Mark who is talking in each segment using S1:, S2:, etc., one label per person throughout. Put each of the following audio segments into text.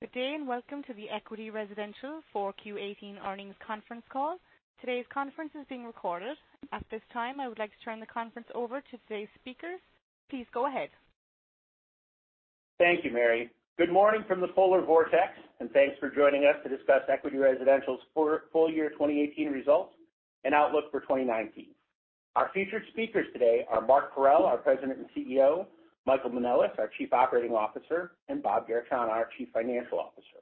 S1: Good day, welcome to the Equity Residential Q4 2018 Earnings conference call. Today's conference is being recorded. At this time, I would like to turn the conference over to today's speakers. Please go ahead.
S2: Thank you, Mary. Good morning from the polar vortex. Thanks for joining us to discuss Equity Residential's full year 2018 results and outlook for 2019. Our featured speakers today are Mark Parrell, our President and CEO, Michael Manelis, our Chief Operating Officer, and Bob Garechana, our Chief Financial Officer.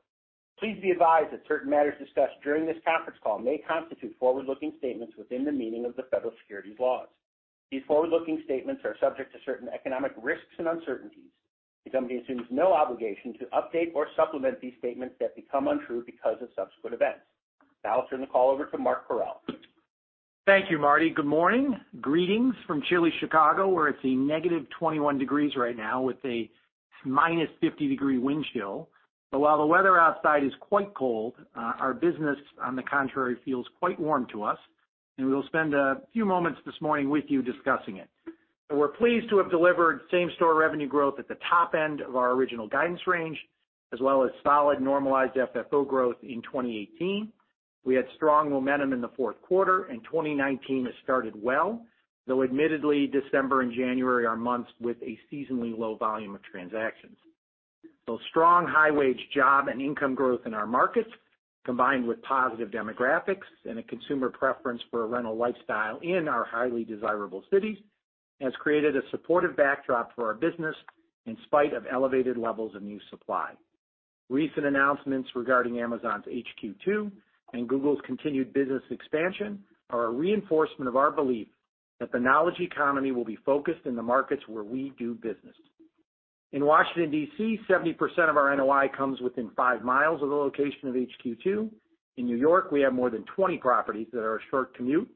S2: Please be advised that certain matters discussed during this conference call may constitute forward-looking statements within the meaning of the federal securities laws. These forward-looking statements are subject to certain economic risks and uncertainties. The company assumes no obligation to update or supplement these statements that become untrue because of subsequent events. I'll turn the call over to Mark Parrell.
S3: Thank you, Marty. Good morning. Greetings from chilly Chicago, where it's a -21 degrees Fahrenheit right now with a -50 degree Fahrenheit wind chill. While the weather outside is quite cold, our business, on the contrary, feels quite warm to us, and we'll spend a few moments this morning with you discussing it. We're pleased to have delivered same-store revenue growth at the top end of our original guidance range, as well as solid normalized FFO growth in 2018. We had strong momentum in the fourth quarter. 2019 has started well, though admittedly, December and January are months with a seasonally low volume of transactions. Both strong high-wage job and income growth in our markets, combined with positive demographics and a consumer preference for a rental lifestyle in our highly desirable cities, has created a supportive backdrop for our business in spite of elevated levels of new supply. Recent announcements regarding Amazon's HQ2 and Google's continued business expansion are a reinforcement of our belief that the knowledge economy will be focused in the markets where we do business. In Washington, D.C., 70% of our NOI comes within five miles of the location of HQ2. In New York, we have more than 20 properties that are a short commute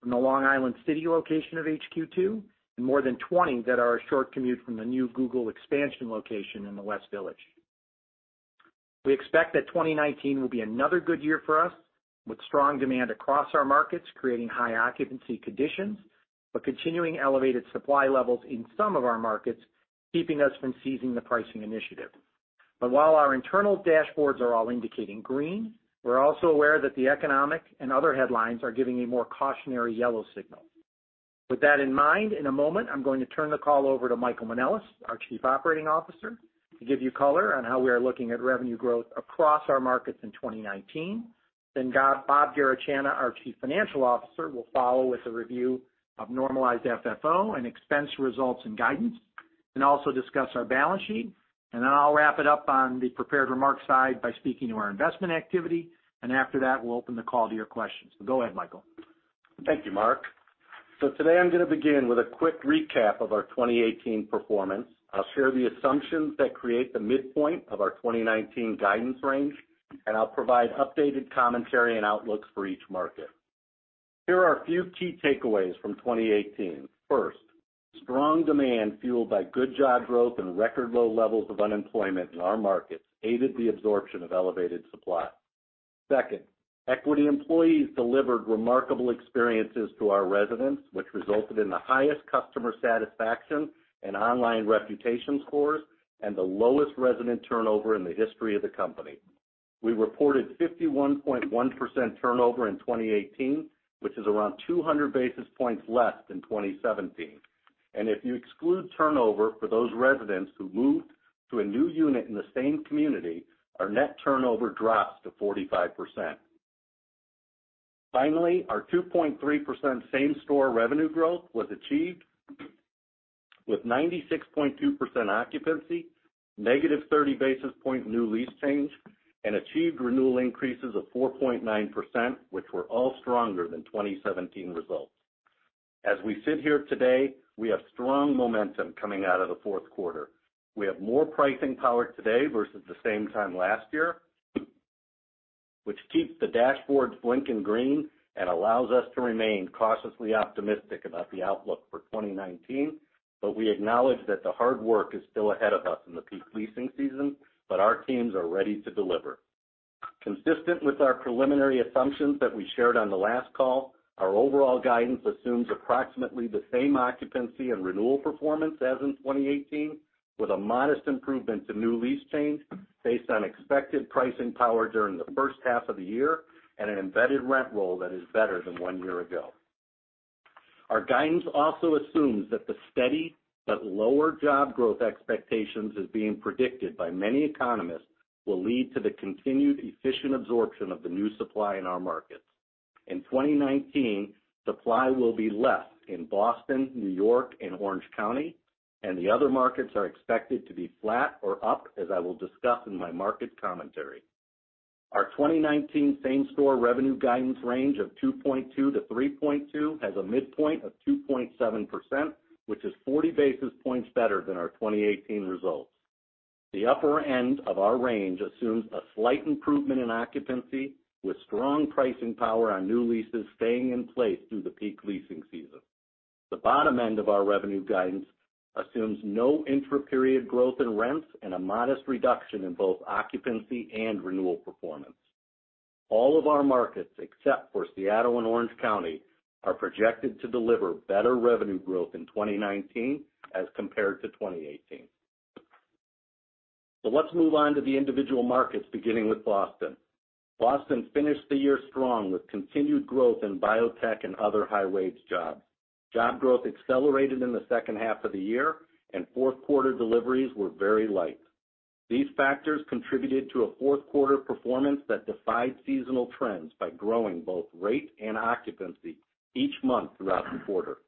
S3: from the Long Island City location of HQ2. More than 20 that are a short commute from the new Google expansion location in the West Village. We expect that 2019 will be another good year for us, with strong demand across our markets creating high occupancy conditions. Continuing elevated supply levels in some of our markets, keeping us from seizing the pricing initiative. While our internal dashboards are all indicating green, we're also aware that the economic and other headlines are giving a more cautionary yellow signal. With that in mind, in a moment, I'm going to turn the call over to Michael Manelis, our Chief Operating Officer, to give you color on how we are looking at revenue growth across our markets in 2019. Bob Garechana, our Chief Financial Officer, will follow with a review of normalized FFO and expense results and guidance, and also discuss our balance sheet. I'll wrap it up on the prepared remarks side by speaking to our investment activity, and after that, we'll open the call to your questions. Go ahead, Michael.
S4: Thank you, Mark. Today I'm going to begin with a quick recap of our 2018 performance. I'll share the assumptions that create the midpoint of our 2019 guidance range, and I'll provide updated commentary and outlooks for each market. Here are a few key takeaways from 2018. First, strong demand fueled by good job growth and record low levels of unemployment in our markets aided the absorption of elevated supply. Second, Equity employees delivered remarkable experiences to our residents, which resulted in the highest customer satisfaction and online reputation scores and the lowest resident turnover in the history of the company. We reported 51.1% turnover in 2018, which is around 200 basis points less than 2017. If you exclude turnover for those residents who moved to a new unit in the same community, our net turnover drops to 45%. Finally, our two point three percent same-store revenue growth was achieved with 96.2% occupancy, -30 basis point new lease change, and achieved renewal increases of four point nine percent, which were all stronger than 2017 results. As we sit here today, we have strong momentum coming out of the fourth quarter. We have more pricing power today versus the same time last year, which keeps the dashboards blinking green and allows us to remain cautiously optimistic about the outlook for 2019. We acknowledge that the hard work is still ahead of us in the peak leasing season, but our teams are ready to deliver. Consistent with our preliminary assumptions that we shared on the last call, our overall guidance assumes approximately the same occupancy and renewal performance as in 2018, with a modest improvement to new lease change based on expected pricing power during the first half of the year and an embedded rent roll that is better than one year ago. Our guidance also assumes that the steady but lower job growth expectations as being predicted by many economists will lead to the continued efficient absorption of the new supply in our markets. In 2019, supply will be less in Boston, New York, and Orange County, and the other markets are expected to be flat or up, as I will discuss in my market commentary. Our 2019 same-store revenue guidance range of two point two to three point two has a midpoint of two point seven percent, which is 40 basis points better than our 2018 results. The upper end of our range assumes a slight improvement in occupancy, with strong pricing power on new leases staying in place through the peak leasing season. The bottom end of our revenue guidance assumes no intra-period growth in rents and a modest reduction in both occupancy and renewal performance. All of our markets, except for Seattle and Orange County, are projected to deliver better revenue growth in 2019 as compared to 2018. Let's move on to the individual markets, beginning with Boston. Boston finished the year strong with continued growth in biotech and other high-wage jobs. Job growth accelerated in the second half of the year, and fourth quarter deliveries were very light. These factors contributed to a fourth quarter performance that defied seasonal trends by growing both rate and occupancy each month throughout the quarter.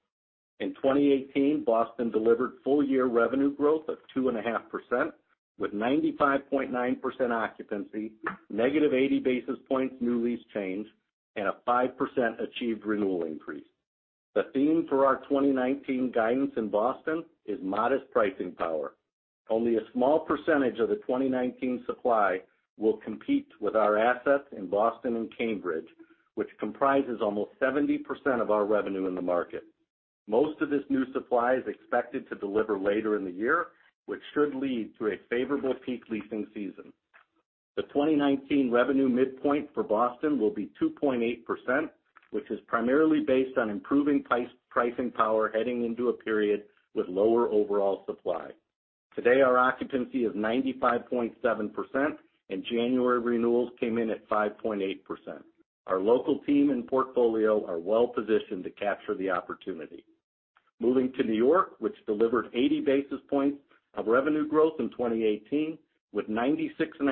S4: In 2018, Boston delivered full-year revenue growth of two and a half percent with 95.9% occupancy, negative 80 basis points new lease change, and a five percent achieved renewal increase. The theme for our 2019 guidance in Boston is modest pricing power. Only a small percentage of the 2019 supply will compete with our assets in Boston and Cambridge, which comprises almost 70% of our revenue in the market. Most of this new supply is expected to deliver later in the year, which should lead to a favorable peak leasing season. The 2019 revenue midpoint for Boston will be two point eight percent, which is primarily based on improving pricing power heading into a period with lower overall supply. Today, our occupancy is 95.7%, and January renewals came in at five point eight percent. Our local team and portfolio are well-positioned to capture the opportunity. Moving to New York, which delivered 80 basis points of revenue growth in 2018 with 96.5%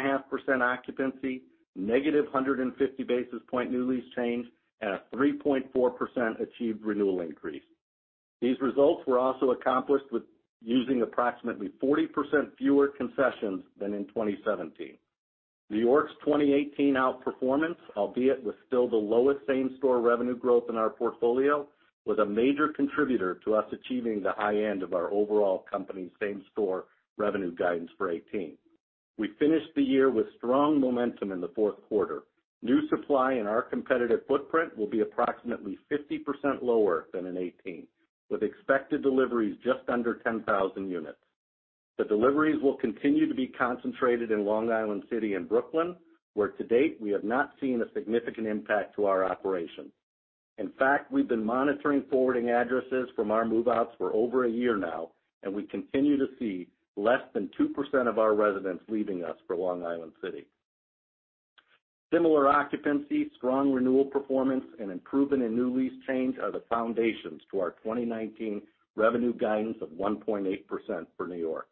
S4: occupancy, negative 150 basis points new lease change, and a three point four percent achieved renewal increase. These results were also accomplished with using approximately 40% fewer concessions than in 2017. New York's 2018 outperformance, albeit was still the lowest same-store revenue growth in our portfolio, was a major contributor to us achieving the high end of our overall company same-store revenue guidance for 2018. We finished the year with strong momentum in the fourth quarter. New supply in our competitive footprint will be approximately 50% lower than in 2018, with expected deliveries just under 10,000 units. The deliveries will continue to be concentrated in Long Island City and Brooklyn, where to date, we have not seen a significant impact to our operation. In fact, we've been monitoring forwarding addresses from our move-outs for over a year now, and we continue to see less than two percent of our residents leaving us for Long Island City. Similar occupancy, strong renewal performance, and improvement in new lease change are the foundations to our 2019 revenue guidance of one point eight percent for New York.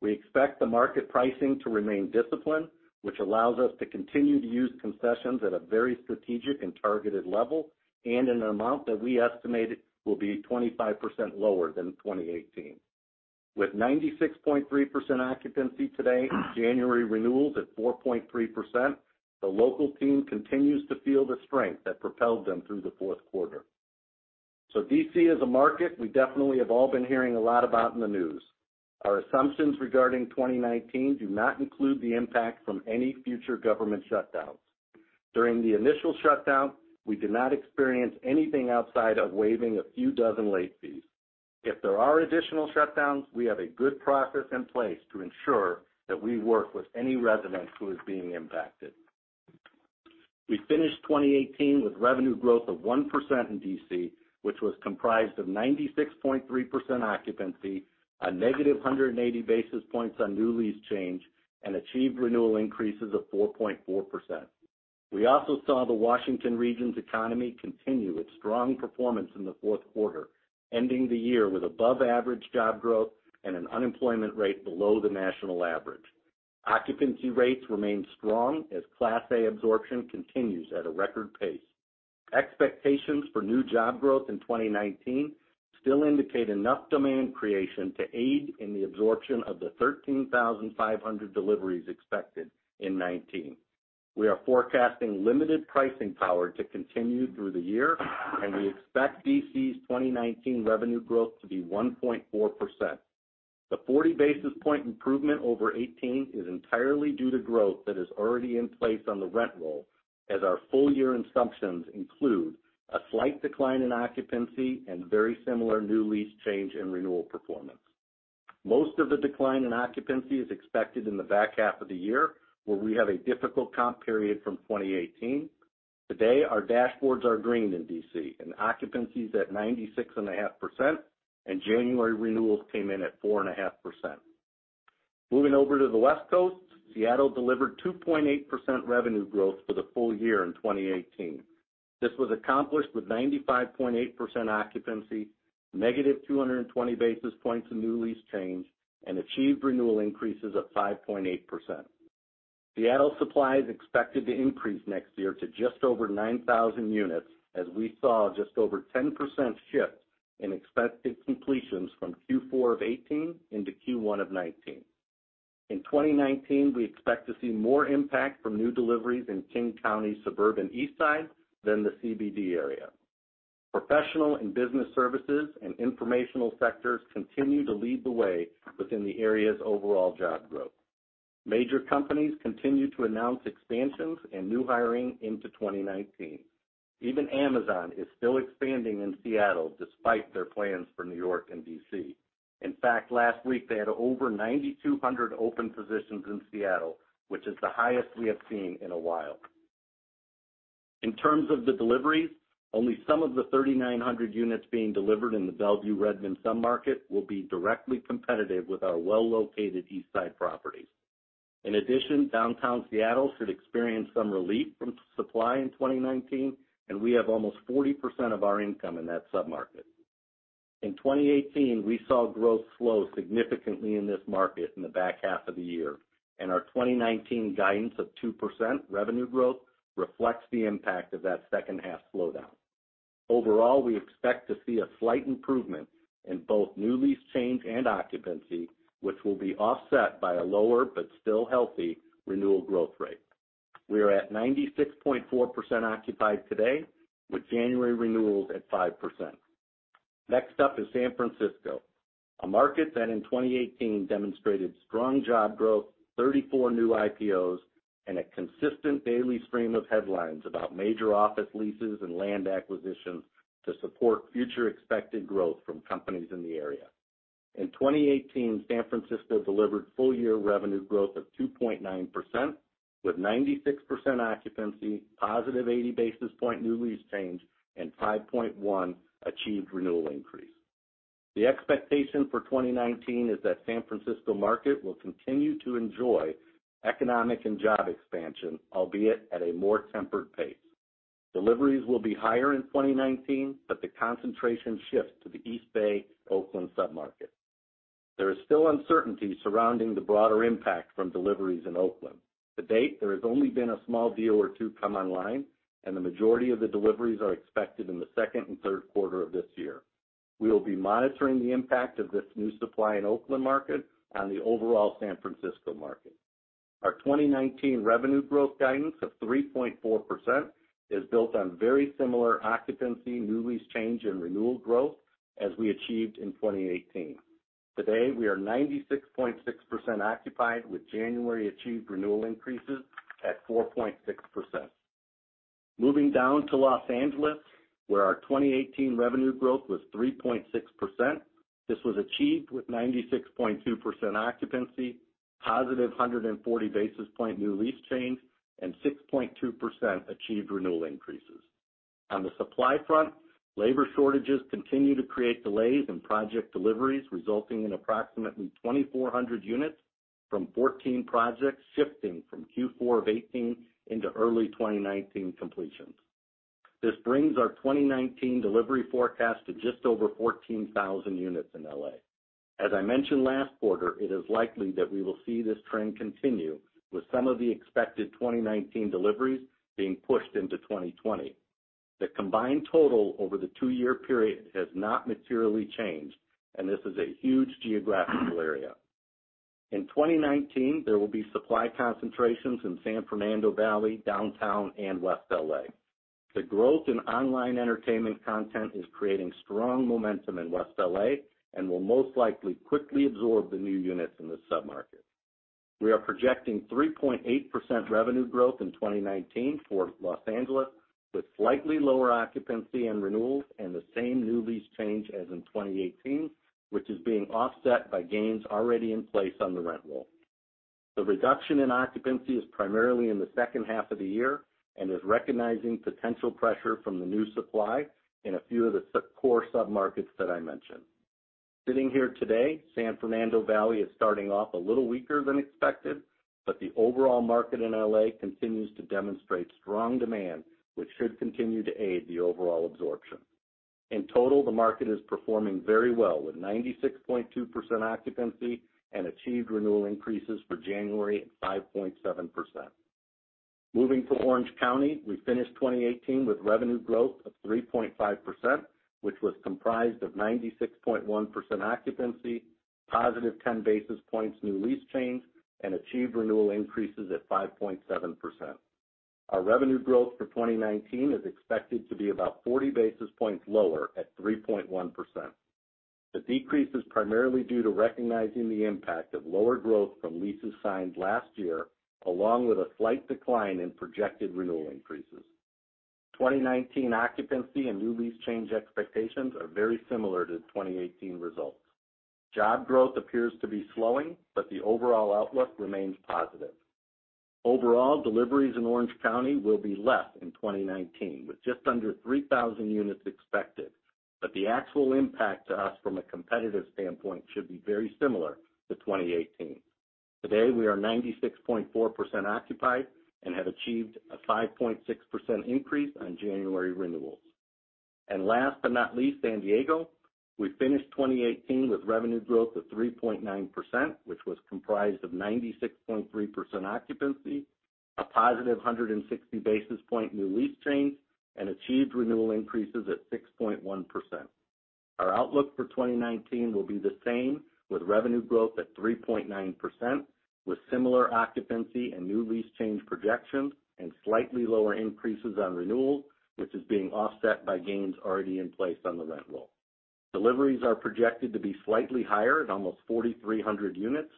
S4: We expect the market pricing to remain disciplined, which allows us to continue to use concessions at a very strategic and targeted level and in an amount that we estimated will be 25% lower than 2018. With 96.3% occupancy today, January renewals at four point three percent, the local team continues to feel the strength that propelled them through the fourth quarter. D.C. is a market we definitely have all been hearing a lot about in the news. Our assumptions regarding 2019 do not include the impact from any future government shutdowns. During the initial shutdown, we did not experience anything outside of waiving a few dozen late fees. If there are additional shutdowns, we have a good process in place to ensure that we work with any resident who is being impacted. We finished 2018 with revenue growth of one percent in D.C., which was comprised of 96.3% occupancy, a negative 180 basis points on new lease change, and achieved renewal increases of four point four percent. We also saw the Washington region's economy continue its strong performance in the fourth quarter, ending the year with above-average job growth and an unemployment rate below the national average. Occupancy rates remain strong as Class A absorption continues at a record pace. Expectations for new job growth in 2019 still indicate enough demand creation to aid in the absorption of the 13,500 deliveries expected in 2019. We are forecasting limited pricing power to continue through the year, and we expect D.C.'s 2019 revenue growth to be one point four percent. The 40 basis point improvement over 2018 is entirely due to growth that is already in place on the rent roll, as our full-year assumptions include a slight decline in occupancy and very similar new lease change and renewal performance. Most of the decline in occupancy is expected in the back half of the year, where we have a difficult comp period from 2018. Today, our dashboards are green in D.C., and occupancy is at 96.5%, and January renewals came in at four and a half percent. Moving over to the West Coast, Seattle delivered two point eight percent revenue growth for the full year in 2018. This was accomplished with 95.8% occupancy, negative 220 basis points of new lease change, and achieved renewal increases of five point eight percent. Seattle supply is expected to increase next year to just over 9,000 units, as we saw just over 10% shift in expected completions from Q4 of 2018 into Q1 of 2019. In 2019, we expect to see more impact from new deliveries in King County's suburban East Side than the CBD area. Professional and business services and informational sectors continue to lead the way within the area's overall job growth. Major companies continue to announce expansions and new hiring into 2019. Even Amazon is still expanding in Seattle despite their plans for New York and D.C. In fact, last week they had over 9,200 open positions in Seattle, which is the highest we have seen in a while. In terms of the deliveries, only some of the 3,900 units being delivered in the Bellevue/Redmond sub-market will be directly competitive with our well-located East Side properties. In addition, downtown Seattle should experience some relief from supply in 2019, and we have almost 40% of our income in that sub-market. In 2018, we saw growth slow significantly in this market in the back half of the year, and our 2019 guidance of two percent revenue growth reflects the impact of that second half slowdown. Overall, we expect to see a slight improvement in both new lease change and occupancy, which will be offset by a lower, but still healthy renewal growth rate. We are at 96.4% occupied today, with January renewals at five percent. Next up is San Francisco, a market that in 2018 demonstrated strong job growth, 34 new IPOs, and a consistent daily stream of headlines about major office leases and land acquisitions to support future expected growth from companies in the area. In 2018, San Francisco delivered full-year revenue growth of two point nine percent, with 96% occupancy, positive 80 basis point new lease change, and five point one achieved renewal increase. The expectation for 2019 is that San Francisco market will continue to enjoy economic and job expansion, albeit at a more tempered pace. Deliveries will be higher in 2019, but the concentration shifts to the East Bay Oakland sub-market. There is still uncertainty surrounding the broader impact from deliveries in Oakland. To date, there has only been a small deal or two come online, and the majority of the deliveries are expected in the second and third quarter of this year. We will be monitoring the impact of this new supply in Oakland market on the overall San Francisco market. Our 2019 revenue growth guidance of three point four percent is built on very similar occupancy, new lease change, and renewal growth as we achieved in 2018. Today, we are 96.6% occupied, with January achieved renewal increases at four point six percent. Moving down to Los Angeles, where our 2018 revenue growth was three point six percent. This was achieved with 96.2% occupancy, positive 140 basis point new lease change, and six point two percent achieved renewal increases. On the supply front, labor shortages continue to create delays in project deliveries, resulting in approximately 2,400 units from 14 projects shifting from Q4 of 2018 into early 2019 completions. This brings our 2019 delivery forecast to just over 14,000 units in L.A. As I mentioned last quarter, it is likely that we will see this trend continue, with some of the expected 2019 deliveries being pushed into 2020. The combined total over the two-year period has not materially changed, and this is a huge geographical area. In 2019, there will be supply concentrations in San Fernando Valley, Downtown, and West L.A. The growth in online entertainment content is creating strong momentum in West L.A. and will most likely quickly absorb the new units in this sub-market. We are projecting three point eight percent revenue growth in 2019 for Los Angeles, with slightly lower occupancy and renewals and the same new lease change as in 2018, which is being offset by gains already in place on the rent roll. The reduction in occupancy is primarily in the second half of the year and is recognizing potential pressure from the new supply in a few of the core sub-markets that I mentioned. Sitting here today, San Fernando Valley is starting off a little weaker than expected, but the overall market in L.A. continues to demonstrate strong demand, which should continue to aid the overall absorption. In total, the market is performing very well, with 96.2% occupancy and achieved renewal increases for January at five point seven percent. Moving to Orange County, we finished 2018 with revenue growth of three point five percent, which was comprised of 96.1% occupancy, positive 10 basis points new lease change, and achieved renewal increases at five point seven percent. Our revenue growth for 2019 is expected to be about 40 basis points lower at three point one percent. The decrease is primarily due to recognizing the impact of lower growth from leases signed last year, along with a slight decline in projected renewal increases. 2019 occupancy and new lease change expectations are very similar to 2018 results. Job growth appears to be slowing, but the overall outlook remains positive. Overall, deliveries in Orange County will be less in 2019, with just under 3,000 units expected. The actual impact to us from a competitive standpoint should be very similar to 2018. Today, we are 96.4% occupied and have achieved a five point six percent increase on January renewals. Last but not least, San Diego. We finished 2018 with revenue growth of three point nine percent, which was comprised of 96.3% occupancy, a positive 160 basis point new lease change, and achieved renewal increases at six point one percent. Our outlook for 2019 will be the same, with revenue growth at three point nine percent, with similar occupancy and new lease change projections and slightly lower increases on renewals, which is being offset by gains already in place on the rent roll. Deliveries are projected to be slightly higher at almost 4,300 units,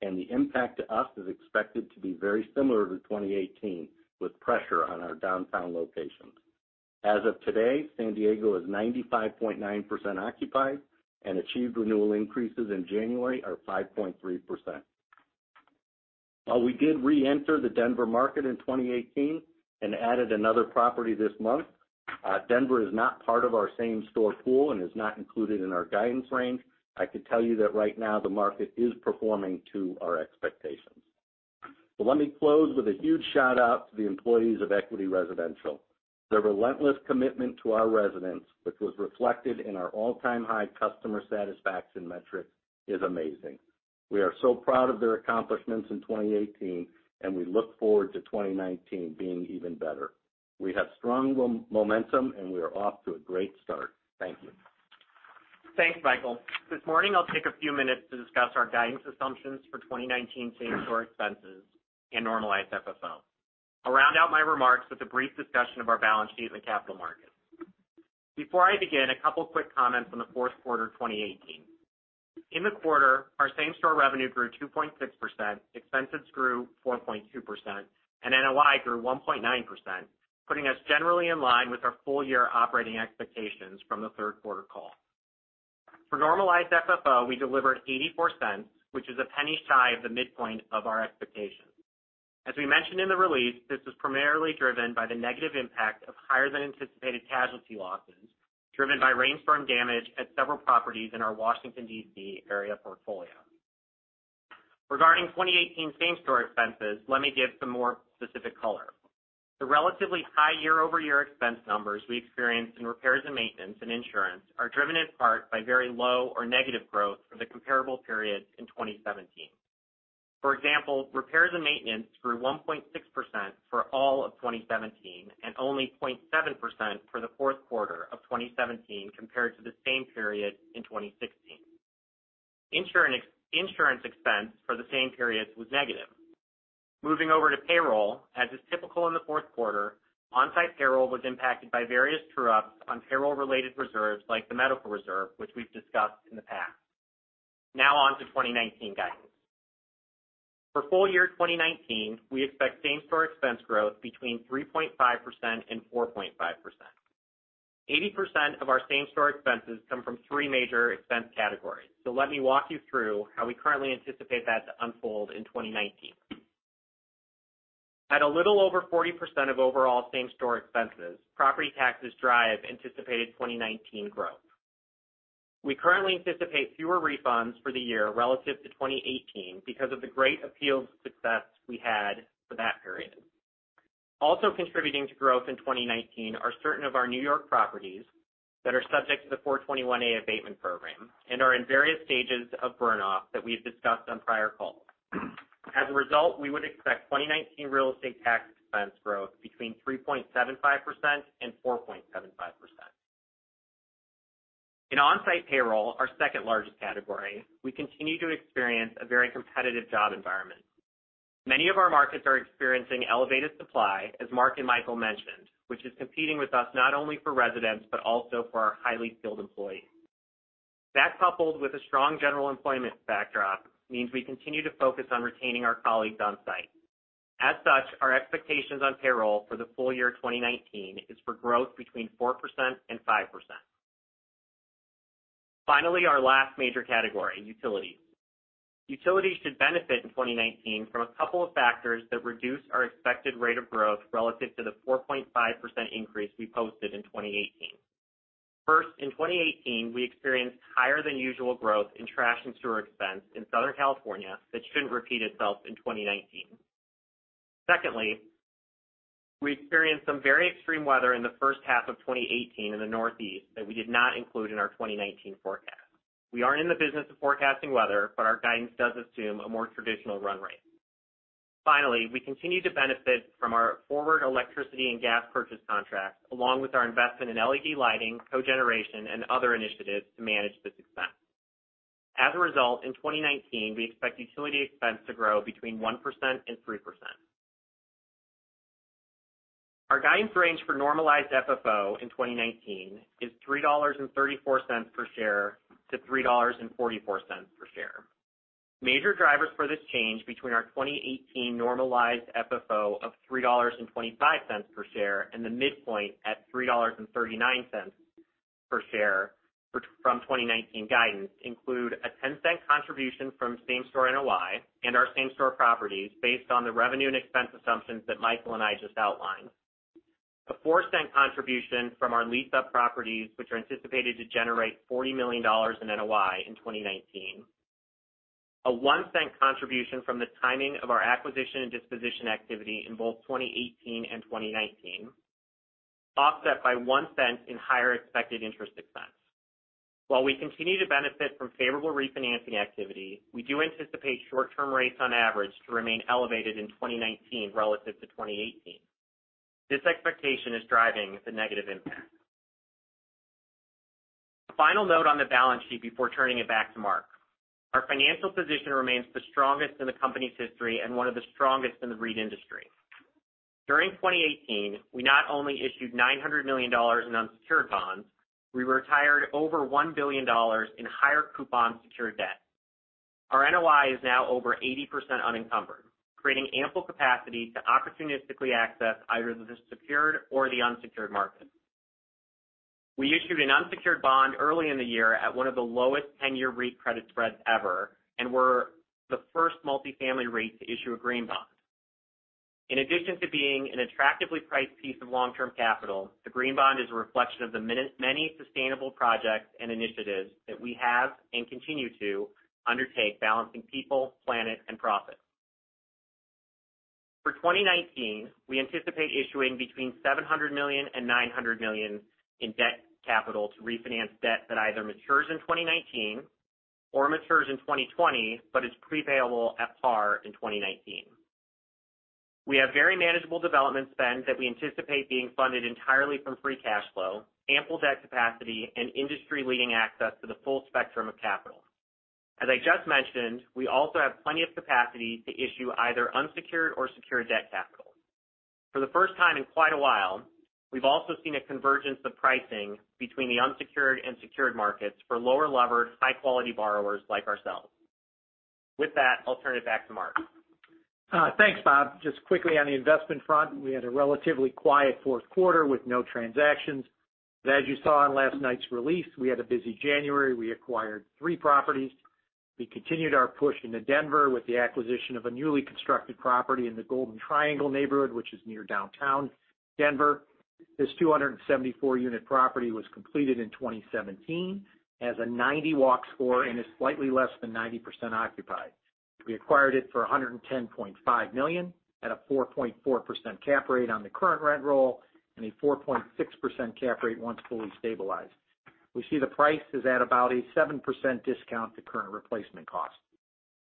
S4: and the impact to us is expected to be very similar to 2018, with pressure on our downtown locations. As of today, San Diego is 95.9% occupied and achieved renewal increases in January are five point three percent. While we did reenter the Denver market in 2018 and added another property this month, Denver is not part of our same-store pool and is not included in our guidance range. I can tell you that right now the market is performing to our expectations. Let me close with a huge shout-out to the employees of Equity Residential. Their relentless commitment to our residents, which was reflected in our all-time high customer satisfaction metric, is amazing. We are so proud of their accomplishments in 2018, and we look forward to 2019 being even better. We have strong momentum, and we are off to a great start. Thank you.
S5: Thanks, Michael. This morning, I'll take a few minutes to discuss our guidance assumptions for 2019 same-store expenses and normalized FFO. I'll round out my remarks with a brief discussion of our balance sheet and capital markets. Before I begin, a couple of quick comments on the fourth quarter 2018. In the quarter, our same-store revenue grew two point six percent, expenses grew four point two percent, and NOI grew one point nine percent, putting us generally in line with our full-year operating expectations from the third quarter call. For normalized FFO, we delivered $0.84, which is a penny shy of the midpoint of our expectations. As we mentioned in the release, this was primarily driven by the negative impact of higher-than-anticipated casualty losses driven by rainstorm damage at several properties in our Washington, D.C. area portfolio. Regarding 2018 same-store expenses, let me give some more specific color. The relatively high year-over-year expense numbers we experienced in repairs and maintenance and insurance are driven in part by very low or negative growth for the comparable periods in 2017. For example, repairs and maintenance grew one point six percent for all of 2017, and only point seven percent for the fourth quarter of 2017 compared to the same period in 2016. Insurance expense for the same period was negative. Moving over to payroll, as is typical in the fourth quarter, on-site payroll was impacted by various true-ups on payroll-related reserves like the medical reserve, which we've discussed in the past. On to 2019 guidance. For full year 2019, we expect same-store expense growth between three point five percent and four point five percent. 80% of our same-store expenses come from three major expense categories. Let me walk you through how we currently anticipate that to unfold in 2019. At a little over 40% of overall same-store expenses, property taxes drive anticipated 2019 growth. We currently anticipate fewer refunds for the year relative to 2018 because of the great appeals success we had for that period. Also contributing to growth in 2019 are certain of our New York properties that are subject to the 421-a abatement program and are in various stages of burn off that we've discussed on prior calls. As a result, we would expect 2019 real estate tax expense growth between 3.75% and 4.75%. In on-site payroll, our second-largest category, we continue to experience a very competitive job environment. Many of our markets are experiencing elevated supply, as Mark and Michael mentioned, which is competing with us not only for residents, but also for our highly skilled employees. That, coupled with a strong general employment backdrop, means we continue to focus on retaining our colleagues on-site. As such, our expectations on payroll for the full year 2019 is for growth between four percent and five percent. Finally, our last major category, utilities. Utilities should benefit in 2019 from a couple of factors that reduce our expected rate of growth relative to the four point five percent increase we posted in 2018. First, in 2018, we experienced higher-than-usual growth in trash and sewer expense in Southern California that shouldn't repeat itself in 2019. Secondly, we experienced some very extreme weather in the first half of 2018 in the Northeast that we did not include in our 2019 forecast. We aren't in the business of forecasting weather, but our guidance does assume a more traditional run rate. Finally, we continue to benefit from our forward electricity and gas purchase contracts, along with our investment in LED lighting, cogeneration, and other initiatives to manage this expense. As a result, in 2019, we expect utility expense to grow between one percent and three percent. Our guidance range for normalized FFO in 2019 is $3.34 per share to $3.44 per share. Major drivers for this change between our 2018 normalized FFO of $3.25 per share and the midpoint at $3.39 per share from 2019 guidance include a $0.10 contribution from same-store NOI and our same-store properties based on the revenue and expense assumptions that Michael and I just outlined. A $0.04 contribution from our lease-up properties, which are anticipated to generate $40 million in NOI in 2019. A $0.01 contribution from the timing of our acquisition and disposition activity in both 2018 and 2019, offset by $0.01 in higher expected interest expense. While we continue to benefit from favorable refinancing activity, we do anticipate short-term rates on average to remain elevated in 2019 relative to 2018. This expectation is driving the negative impact. A final note on the balance sheet before turning it back to Mark. Our financial position remains the strongest in the company's history and one of the strongest in the REIT industry. During 2018, we not only issued $900 million in unsecured bonds, we retired over $1 billion in higher coupon secured debt. Our NOI is now over 80% unencumbered, creating ample capacity to opportunistically access either the secured or the unsecured market. We issued an unsecured bond early in the year at one of the lowest 10-year REIT credit spreads ever, and we're the first multifamily REIT to issue a green bond. In addition to being an attractively priced piece of long-term capital, the green bond is a reflection of the many sustainable projects and initiatives that we have and continue to undertake balancing people, planet, and profit. For 2019, we anticipate issuing between $700 million and $900 million in debt capital to refinance debt that either matures in 2019 or matures in 2020, but it's pre-payable at par in 2019. We have very manageable development spend that we anticipate being funded entirely from free cash flow, ample debt capacity, and industry-leading access to the full spectrum of capital. As I just mentioned, we also have plenty of capacity to issue either unsecured or secured debt capital. For the first time in quite a while, we've also seen a convergence of pricing between the unsecured and secured markets for lower levered, high-quality borrowers like ourselves. With that, I'll turn it back to Mark.
S3: Thanks, Bob. Just quickly on the investment front, we had a relatively quiet fourth quarter with no transactions. As you saw in last night's release, we had a busy January. We acquired three properties. We continued our push into Denver with the acquisition of a newly constructed property in the Golden Triangle neighborhood, which is near downtown Denver. This 274-unit property was completed in 2017, has a 90 Walk Score, and is slightly less than 90% occupied. We acquired it for $110.5 million at a four point four percent cap rate on the current rent roll and a four point six percent cap rate once fully stabilized. We see the price is at about a seven percent discount to current replacement cost.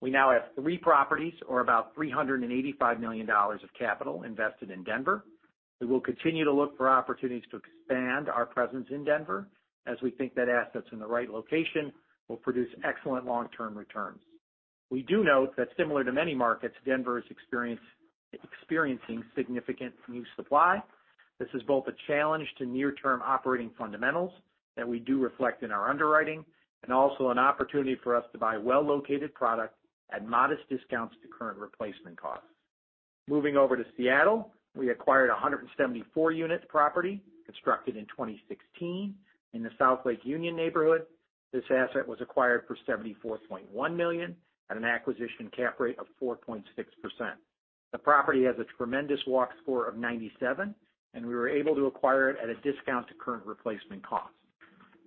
S3: We now have three properties or about $385 million of capital invested in Denver. We will continue to look for opportunities to expand our presence in Denver, as we think that assets in the right location will produce excellent long-term returns. We do note that similar to many markets, Denver is experiencing significant new supply. This is both a challenge to near-term operating fundamentals that we do reflect in our underwriting, also an opportunity for us to buy well-located product at modest discounts to current replacement costs. Moving over to Seattle, we acquired a 174-unit property constructed in 2016 in the South Lake Union neighborhood. This asset was acquired for $74.1 million at an acquisition cap rate of four point six percent The property has a tremendous Walk Score of 97, and we were able to acquire it at a discount to current replacement cost.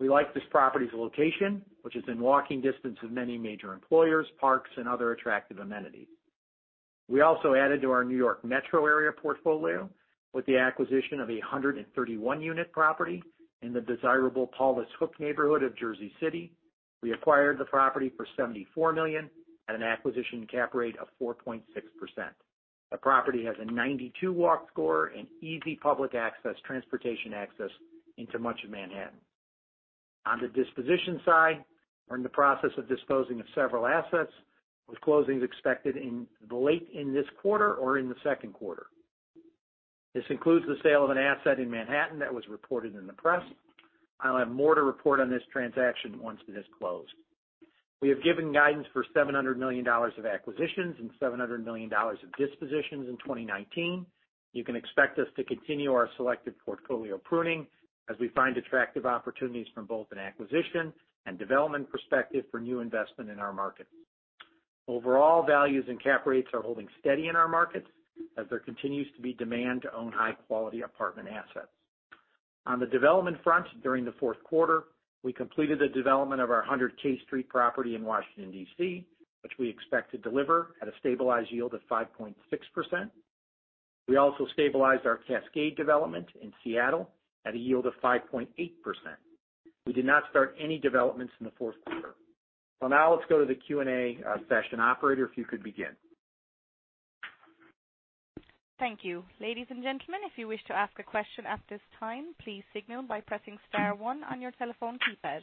S3: We like this property's location, which is in walking distance of many major employers, parks, and other attractive amenities. We also added to our New York Metro Area portfolio with the acquisition of a 131-unit property in the desirable Paulus Hook neighborhood of Jersey City. We acquired the property for $74 million at an acquisition cap rate of four point six percent. The property has a 92 Walk Score and easy public transportation access into much of Manhattan. On the disposition side, we're in the process of disposing of several assets, with closings expected late in this quarter or in the second quarter. This includes the sale of an asset in Manhattan that was reported in the press. I'll have more to report on this transaction once it is closed. We have given guidance for $700 million of acquisitions and $700 million of dispositions in 2019. You can expect us to continue our selective portfolio pruning as we find attractive opportunities from both an acquisition and development perspective for new investment in our markets. Overall, values and cap rates are holding steady in our markets as there continues to be demand to own high-quality apartment assets. On the development front, during the fourth quarter, we completed the development of our 100 K Street property in Washington, D.C., which we expect to deliver at a stabilized yield of five point six percent. We also stabilized our Cascade development in Seattle at a yield of five point eight percent. We did not start any developments in the fourth quarter. Now let's go to the Q&A session. Operator, if you could begin.
S1: Thank you. Ladies and gentlemen, if you wish to ask a question at this time, please signal by pressing star one on your telephone keypad.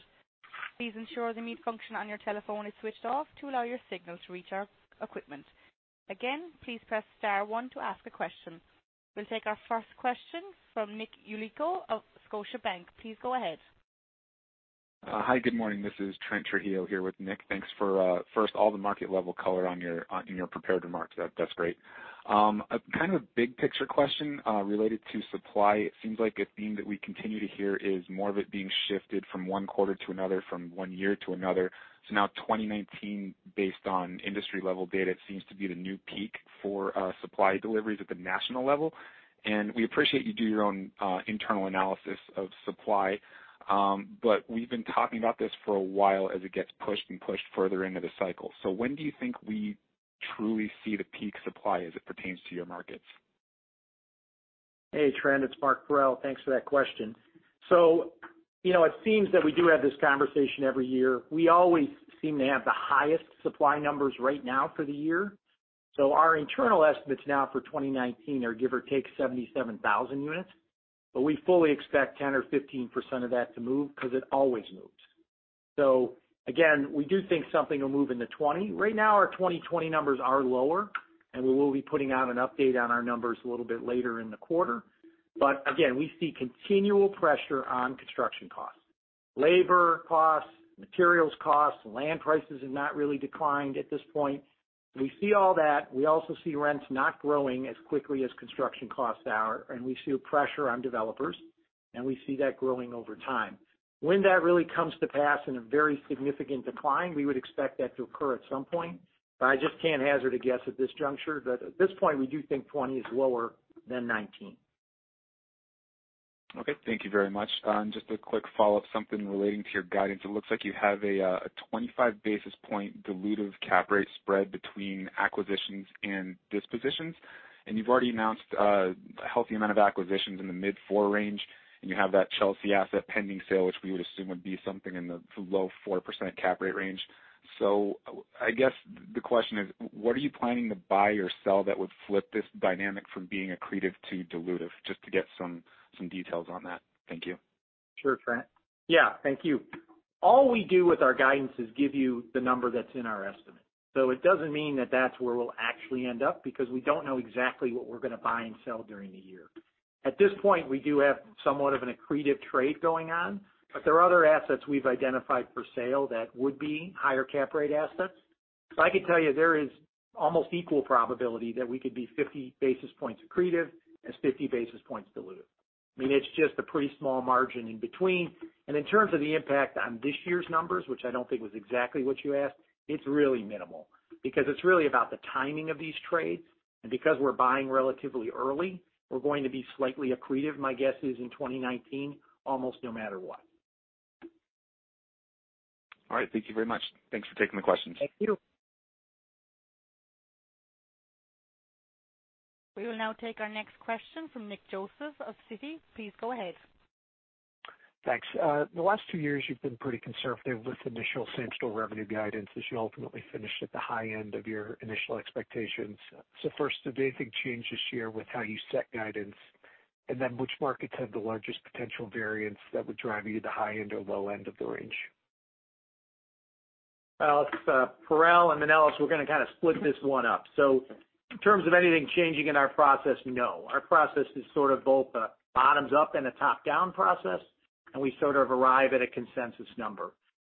S1: Please ensure the mute function on your telephone is switched off to allow your signal to reach our equipment. Again, please press star one to ask a question. We'll take our first question from Nicholas Yulico of Scotiabank. Please go ahead.
S6: Hi, good morning. This is Trent Trujillo here with Nick. Thanks for, first, all the market-level color in your prepared remarks. That's great. Kind of a big-picture question related to supply. It seems like a theme that we continue to hear is more of it being shifted from one quarter to another, from one year to another. Now 2019, based on industry-level data, it seems to be the new peak for supply deliveries at the national level. We appreciate you do your own internal analysis of supply, but we've been talking about this for a while as it gets pushed and pushed further into the cycle. When do you think we truly see the peak supply as it pertains to your markets?
S3: Hey, Trent, it's Mark Parrell. It seems that we do have this conversation every year. We always seem to have the highest supply numbers right now for the year. Our internal estimates now for 2019 are give or take 77,000 units, but we fully expect 10% or 15% of that to move because it always moves. Again, we do think something will move into 2020. Right now, our 2020 numbers are lower, and we will be putting out an update on our numbers a little bit later in the quarter. Again, we see continual pressure on construction costs. Labor costs, materials costs, land prices have not really declined at this point. We see all that. We also see rents not growing as quickly as construction costs are, and we see a pressure on developers, and we see that growing over time. When that really comes to pass in a very significant decline, we would expect that to occur at some point, but I just can't hazard a guess at this juncture. At this point, we do think 2020 is lower than 2019.
S6: Okay, thank you very much. Just a quick follow-up, something relating to your guidance. It looks like you have a 25 basis point dilutive cap rate spread between acquisitions and dispositions, and you've already announced a healthy amount of acquisitions in the mid-4 range, and you have that Chelsea asset pending sale, which we would assume would be something in the low four percent cap rate range. I guess the question is: What are you planning to buy or sell that would flip this dynamic from being accretive to dilutive? Just to get some details on that. Thank you.
S3: Sure, Trent. Thank you. All we do with our guidance is give you the number that's in our estimate. It doesn't mean that that's where we'll actually end up, because we don't know exactly what we're going to buy and sell during the year. At this point, we do have somewhat of an accretive trade going on, but there are other assets we've identified for sale that would be higher cap rate assets. I can tell you there is almost equal probability that we could be 50 basis points accretive as 50 basis points dilutive. I mean, it's just a pretty small margin in between. In terms of the impact on this year's numbers, which I don't think was exactly what you asked, it's really minimal, because it's really about the timing of these trades. Because we're buying relatively early, we're going to be slightly accretive, my guess is, in 2019, almost no matter what.
S6: All right. Thank you very much. Thanks for taking the questions.
S3: Thank you.
S1: We will now take our next question from Nick Joseph of Citi. Please go ahead.
S7: Thanks. The last two years, you've been pretty conservative with initial same-store revenue guidance as you ultimately finished at the high end of your initial expectations. First, did anything change this year with how you set guidance? Which markets have the largest potential variance that would drive you to the high end or low end of the range?
S3: It's Mark Parrell and then Michael Manelis. We're going to kind of split this one up. In terms of anything changing in our process, no. Our process is sort of both a bottoms-up and a top-down process, and we sort of arrive at a consensus number.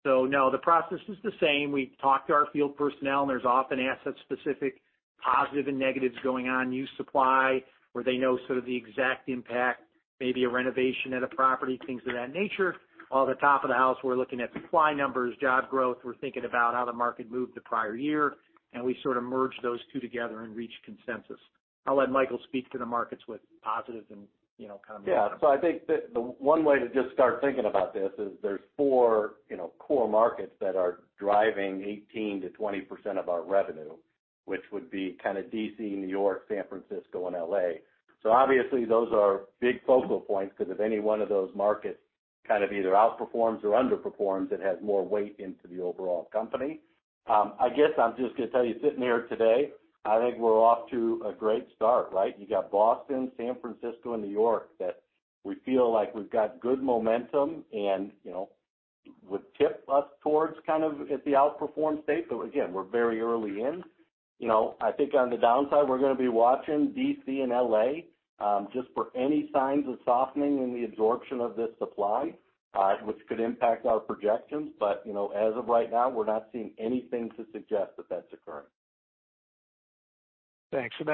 S3: No, the process is the same. We talk to our field personnel, and there's often asset-specific positives and negatives going on, new supply where they know sort of the exact impact, maybe a renovation at a property, things of that nature. While at the top of the house, we're looking at supply numbers, job growth. We're thinking about how the market moved the prior year, and we sort of merge those two together and reach consensus. I'll let Michael speak to the markets with positive and kind of negative.
S4: I think the one way to just start thinking about this is there's four core markets that are driving 18% to 20% of our revenue, which would be kind of D.C., New York, San Francisco, and L.A. Obviously those are big focal points because if any one of those markets kind of either outperforms or underperforms, it has more weight into the overall company. I guess I'm just going to tell you, sitting here today, I think we're off to a great start, right? You got Boston, San Francisco, and New York that we feel like we've got good momentum and would tip us towards kind of at the outperform state. Again, we're very early in. I think on the downside, we're going to be watching D.C. and L.A. just for any signs of softening in the absorption of this supply, which could impact our projections. As of right now, we're not seeing anything to suggest that that's occurring.
S7: Thanks. With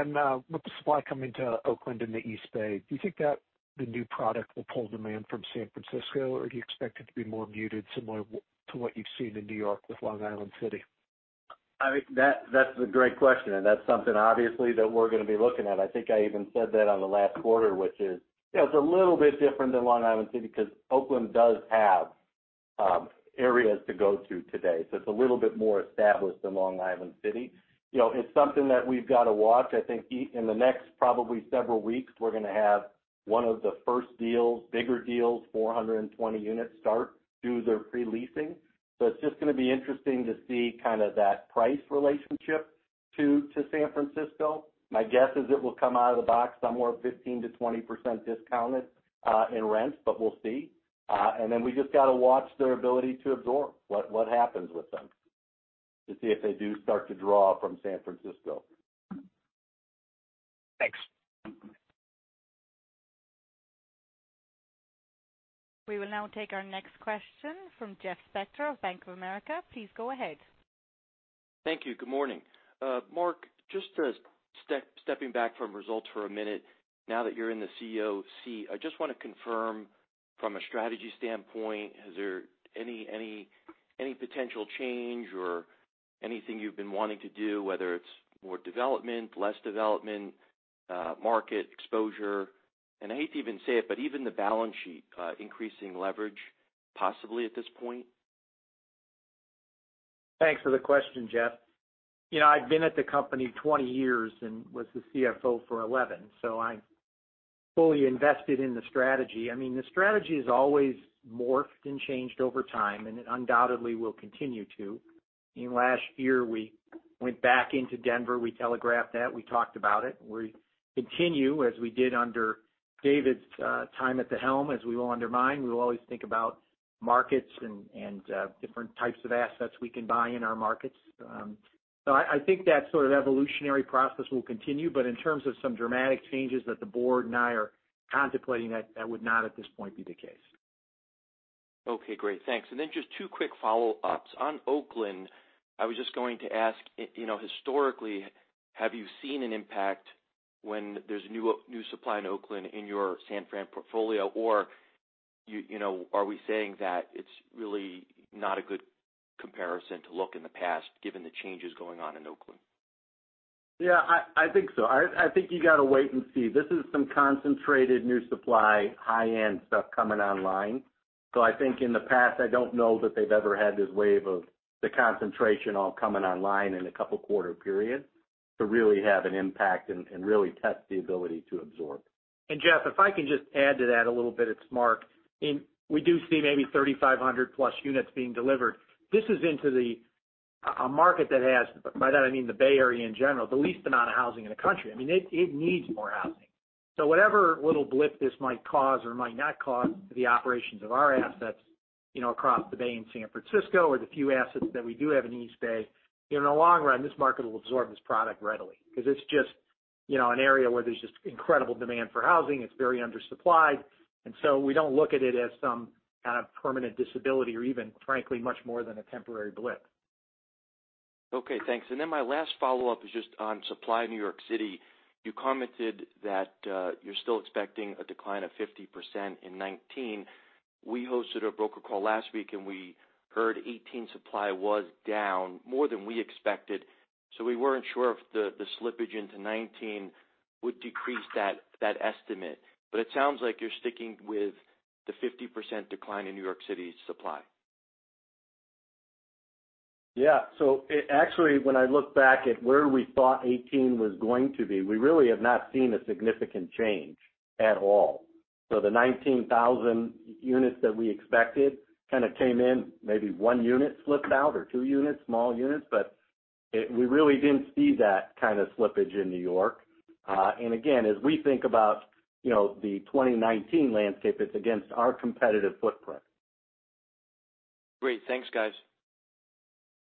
S7: the supply coming to Oakland and the East Bay, do you think that the new product will pull demand from San Francisco, or do you expect it to be more muted, similar to what you've seen in New York with Long Island City?
S4: I think that's a great question, and that's something obviously that we're going to be looking at. I think I even said that on the last quarter, which is, it's a little bit different than Long Island City because Oakland does have areas to go to today. It's a little bit more established than Long Island City. It's something that we've got to watch. I think in the next probably several weeks, we're going to have one of the first deals, bigger deals, 420 units start do their pre-leasing. It's just going to be interesting to see kind of that price relationship to San Francisco. My guess is it will come out of the box somewhere 15%-20% discounted in rent, we'll see. We just got to watch their ability to absorb what happens with them to see if they do start to draw from San Francisco.
S7: Thanks.
S1: We will now take our next question from Jeffrey Spector of Bank of America. Please go ahead.
S8: Thank you. Good morning. Mark, just stepping back from results for a minute. Now that you're in the CEO seat, I just want to confirm from a strategy standpoint, is there any potential change or anything you've been wanting to do, whether it's more development, less development, market exposure. I hate to even say it, but even the balance sheet increasing leverage possibly at this point?
S3: Thanks for the question, Jeff. I've been at the company 20 years and was the CFO for 11, so I'm fully invested in the strategy. I mean, the strategy has always morphed and changed over time, and it undoubtedly will continue to. Last year we went back into Denver. We telegraphed that. We talked about it. We continue, as we did under David's time at the helm, as we will under mine, we will always think about markets and different types of assets we can buy in our markets. I think that sort of evolutionary process will continue, but in terms of some dramatic changes that the board and I are contemplating, that would not, at this point, be the case.
S8: Okay, great. Thanks. Then just two quick follow-ups. On Oakland, I was just going to ask, historically, have you seen an impact when there's new supply in Oakland in your San Fran portfolio? Are we saying that it's really not a good comparison to look in the past given the changes going on in Oakland?
S4: Yeah, I think so. I think you got to wait and see. This is some concentrated new supply, high-end stuff coming online. I think in the past, I don't know that they've ever had this wave of the concentration all coming online in a couple of quarter periods to really have an impact and really test the ability to absorb.
S3: Jeff, if I can just add to that a little bit. It's Mark. We do see maybe 3,500 plus units being delivered. This is into a market that has, by that I mean the Bay Area in general, the least amount of housing in the country. It needs more housing. Whatever little blip this might cause or might not cause to the operations of our assets, across the Bay in San Francisco or the few assets that we do have in East Bay, in the long run, this market will absorb this product readily, because it's just an area where there's just incredible demand for housing. It's very undersupplied, we don't look at it as some kind of permanent disability or even, frankly, much more than a temporary blip.
S8: Okay, thanks. My last follow-up is just on supply in New York City. You commented that you're still expecting a decline of 50% in 2019. We hosted a broker call last week, and we heard 2018 supply was down more than we expected. We weren't sure if the slippage into 2019 would decrease that estimate, but it sounds like you're sticking with the 50% decline in New York City supply.
S4: Yeah. Actually, when I look back at where we thought 2018 was going to be, we really have not seen a significant change at all. The 19,000 units that we expected kind of came in, maybe one unit slipped out or two units, small units, but we really didn't see that kind of slippage in New York. Again, as we think about the 2019 landscape, it's against our competitive footprint.
S8: Great. Thanks, guys.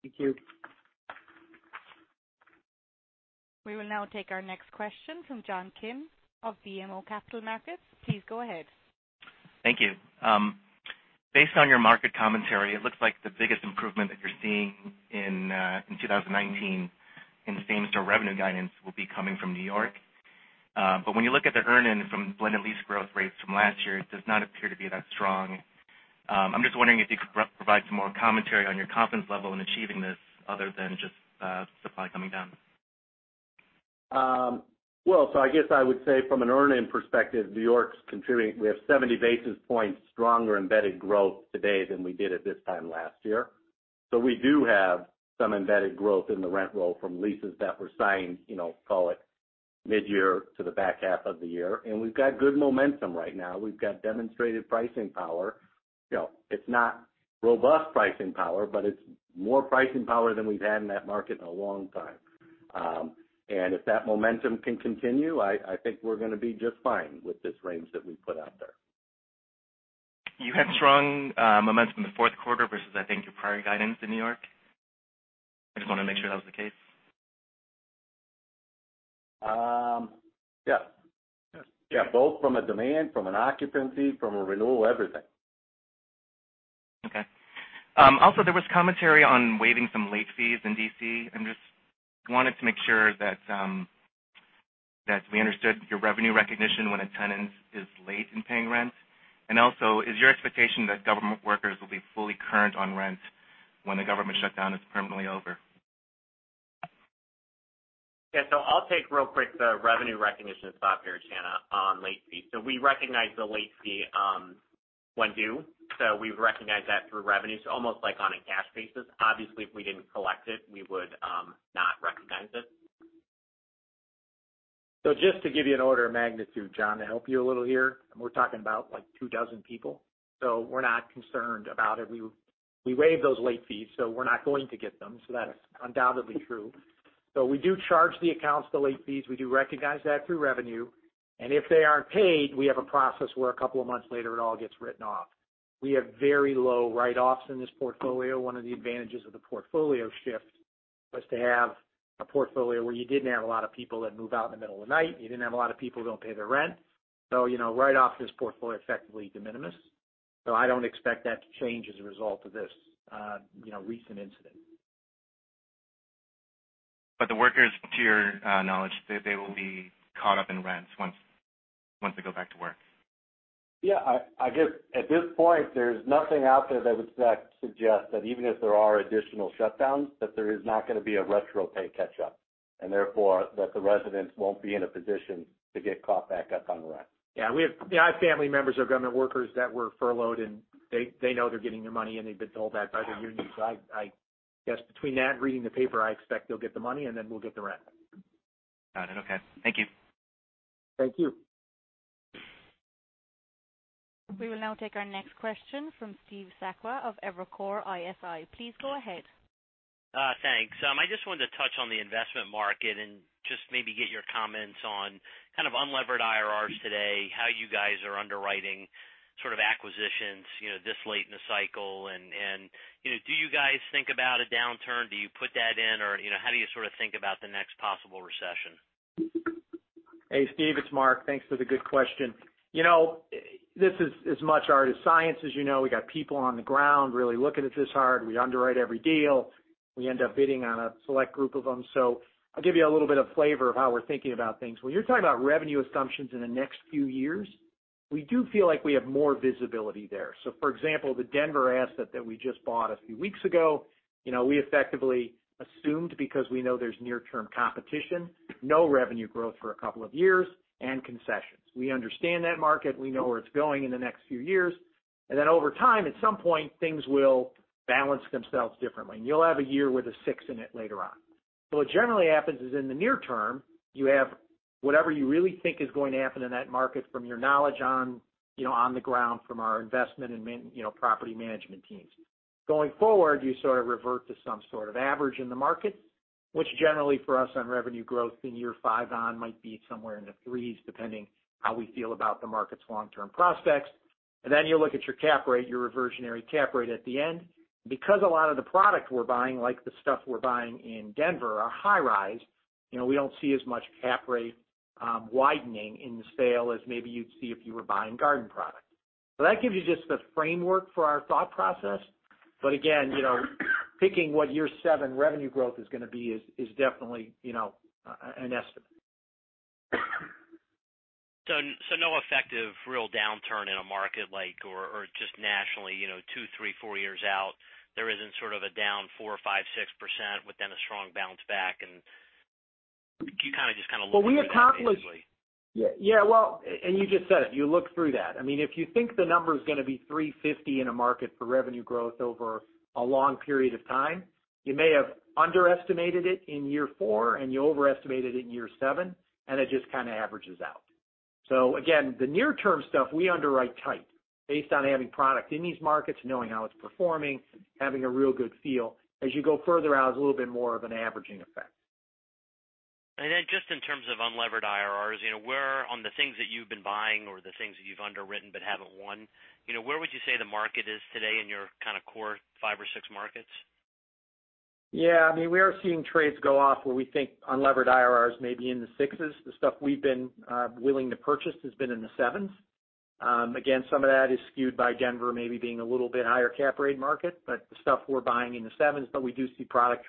S3: Thank you.
S1: We will now take our next question from John Kim of BMO Capital Markets. Please go ahead.
S9: Thank you. Based on your market commentary, it looks like the biggest improvement that you're seeing in 2019 in same-store revenue guidance will be coming from New York. When you look at the earn-in from blended lease growth rates from last year, it does not appear to be that strong. I'm just wondering if you could provide some more commentary on your confidence level in achieving this other than just supply coming down.
S4: I guess I would say from an earn-in perspective, New York's contributing. We have 70 basis points stronger embedded growth today than we did at this time last year. We do have some embedded growth in the rent roll from leases that were signed, call it mid-year to the back half of the year, and we've got good momentum right now. We've got demonstrated pricing power. It's not robust pricing power, but it's more pricing power than we've had in that market in a long time. If that momentum can continue, I think we're going to be just fine with this range that we put out there.
S9: You had strong momentum in the fourth quarter versus, I think, your prior guidance in New York? I just want to make sure that was the case.
S4: Yeah. Both from a demand, from an occupancy, from a renewal, everything.
S9: Okay. Also, there was commentary on waiving some late fees in D.C. I just wanted to make sure that we understood your revenue recognition when a tenant is late in paying rent. Also, is your expectation that government workers will be fully current on rent when the government shutdown is permanently over?
S5: Yeah. I'll take real quick the revenue recognition spot here, Smedes, on late fees. We recognize the late fee when due. We recognize that through revenue, almost like on a cash basis. Obviously, if we didn't collect it, we would not recognize it.
S3: Just to give you an order of magnitude, John, to help you a little here, and we're talking about two dozen people. We're not concerned about it. We waived those late fees, so we're not going to get them. That's undoubtedly true. We do charge the accounts the late fees. We do recognize that through revenue, and if they aren't paid, we have a process where a couple of months later, it all gets written off. We have very low write-offs in this portfolio. One of the advantages of the portfolio shift was to have a portfolio where you didn't have a lot of people that move out in the middle of the night. You didn't have a lot of people who don't pay their rent. Write-offs in this portfolio are effectively de minimis. I don't expect that to change as a result of this recent incident.
S9: The workers, to your knowledge, they will be caught up in rents once they go back to work.
S4: Yeah. I guess at this point, there's nothing out there that would suggest that even if there are additional shutdowns, that there is not going to be a retro pay catch-up, and therefore that the residents won't be in a position to get caught back up on the rent.
S3: Yeah. I have family members who are government workers that were furloughed, and they know they're getting their money, and they've been told that by their union. I guess between that and reading the paper, I expect they'll get the money, and then we'll get the rent.
S9: Got it. Okay. Thank you.
S3: Thank you.
S1: We will now take our next question from Steve Sakwa of Evercore ISI. Please go ahead.
S10: Thanks. I just wanted to touch on the investment market and just maybe get your comments on kind of unlevered IRRs today, how you guys are underwriting sort of acquisitions this late in the cycle and do you guys think about a downturn? Do you put that in? How do you sort of think about the next possible recession?
S3: Hey, Steve, it's Mark. Thanks for the good question. This is as much art as science. As you know, we got people on the ground really looking at this hard. We underwrite every deal. We end up bidding on a select group of them. I'll give you a little bit of flavor of how we're thinking about things. When you're talking about revenue assumptions in the next few years, we do feel like we have more visibility there. For example, the Denver asset that we just bought a few weeks ago, we effectively assumed because we know there's near-term competition, no revenue growth for a couple of years, and concessions. We understand that market. We know where it's going in the next few years. Over time, at some point, things will balance themselves differently, and you'll have a year with a six in it later on. What generally happens is in the near term, you have whatever you really think is going to happen in that market from your knowledge on the ground, from our investment and property management teams. Going forward, you sort of revert to some sort of average in the market, which generally for us on revenue growth in year five on might be somewhere in the threes, depending how we feel about the market's long-term prospects. You look at your cap rate, your reversionary cap rate at the end. Because a lot of the product we're buying, like the stuff we're buying in Denver, are high rise, we don't see as much cap rate widening in the sale as maybe you'd see if you were buying garden product. That gives you just the framework for our thought process. Again, picking what year seven revenue growth is going to be is definitely an estimate.
S10: No effective real downturn in a market like or just nationally, two, three, four years out, there isn't sort of a down four, five, six percent with then a strong bounce back and you kind of just look through that implicitly.
S3: Yeah. Well, you just said it, you look through that. I mean, if you think the number's going to be 350 in a market for revenue growth over a long period of time, you may have underestimated it in year four and you overestimated it in year seven, and it just kind of averages out. Again, the near term stuff we underwrite tight based on having product in these markets, knowing how it's performing, having a real good feel. As you go further out, it's a little bit more of an averaging effect.
S10: Then just in terms of unlevered IRRs, where on the things that you've been buying or the things that you've underwritten but haven't won, where would you say the market is today in your kind of core five or six markets?
S3: Yeah. I mean, we are seeing trades go off where we think unlevered IRRs may be in the sixes. The stuff we've been willing to purchase has been in the sevens. Again, some of that is skewed by Denver maybe being a little bit higher cap rate market, but the stuff we're buying in the sevens, but we do see product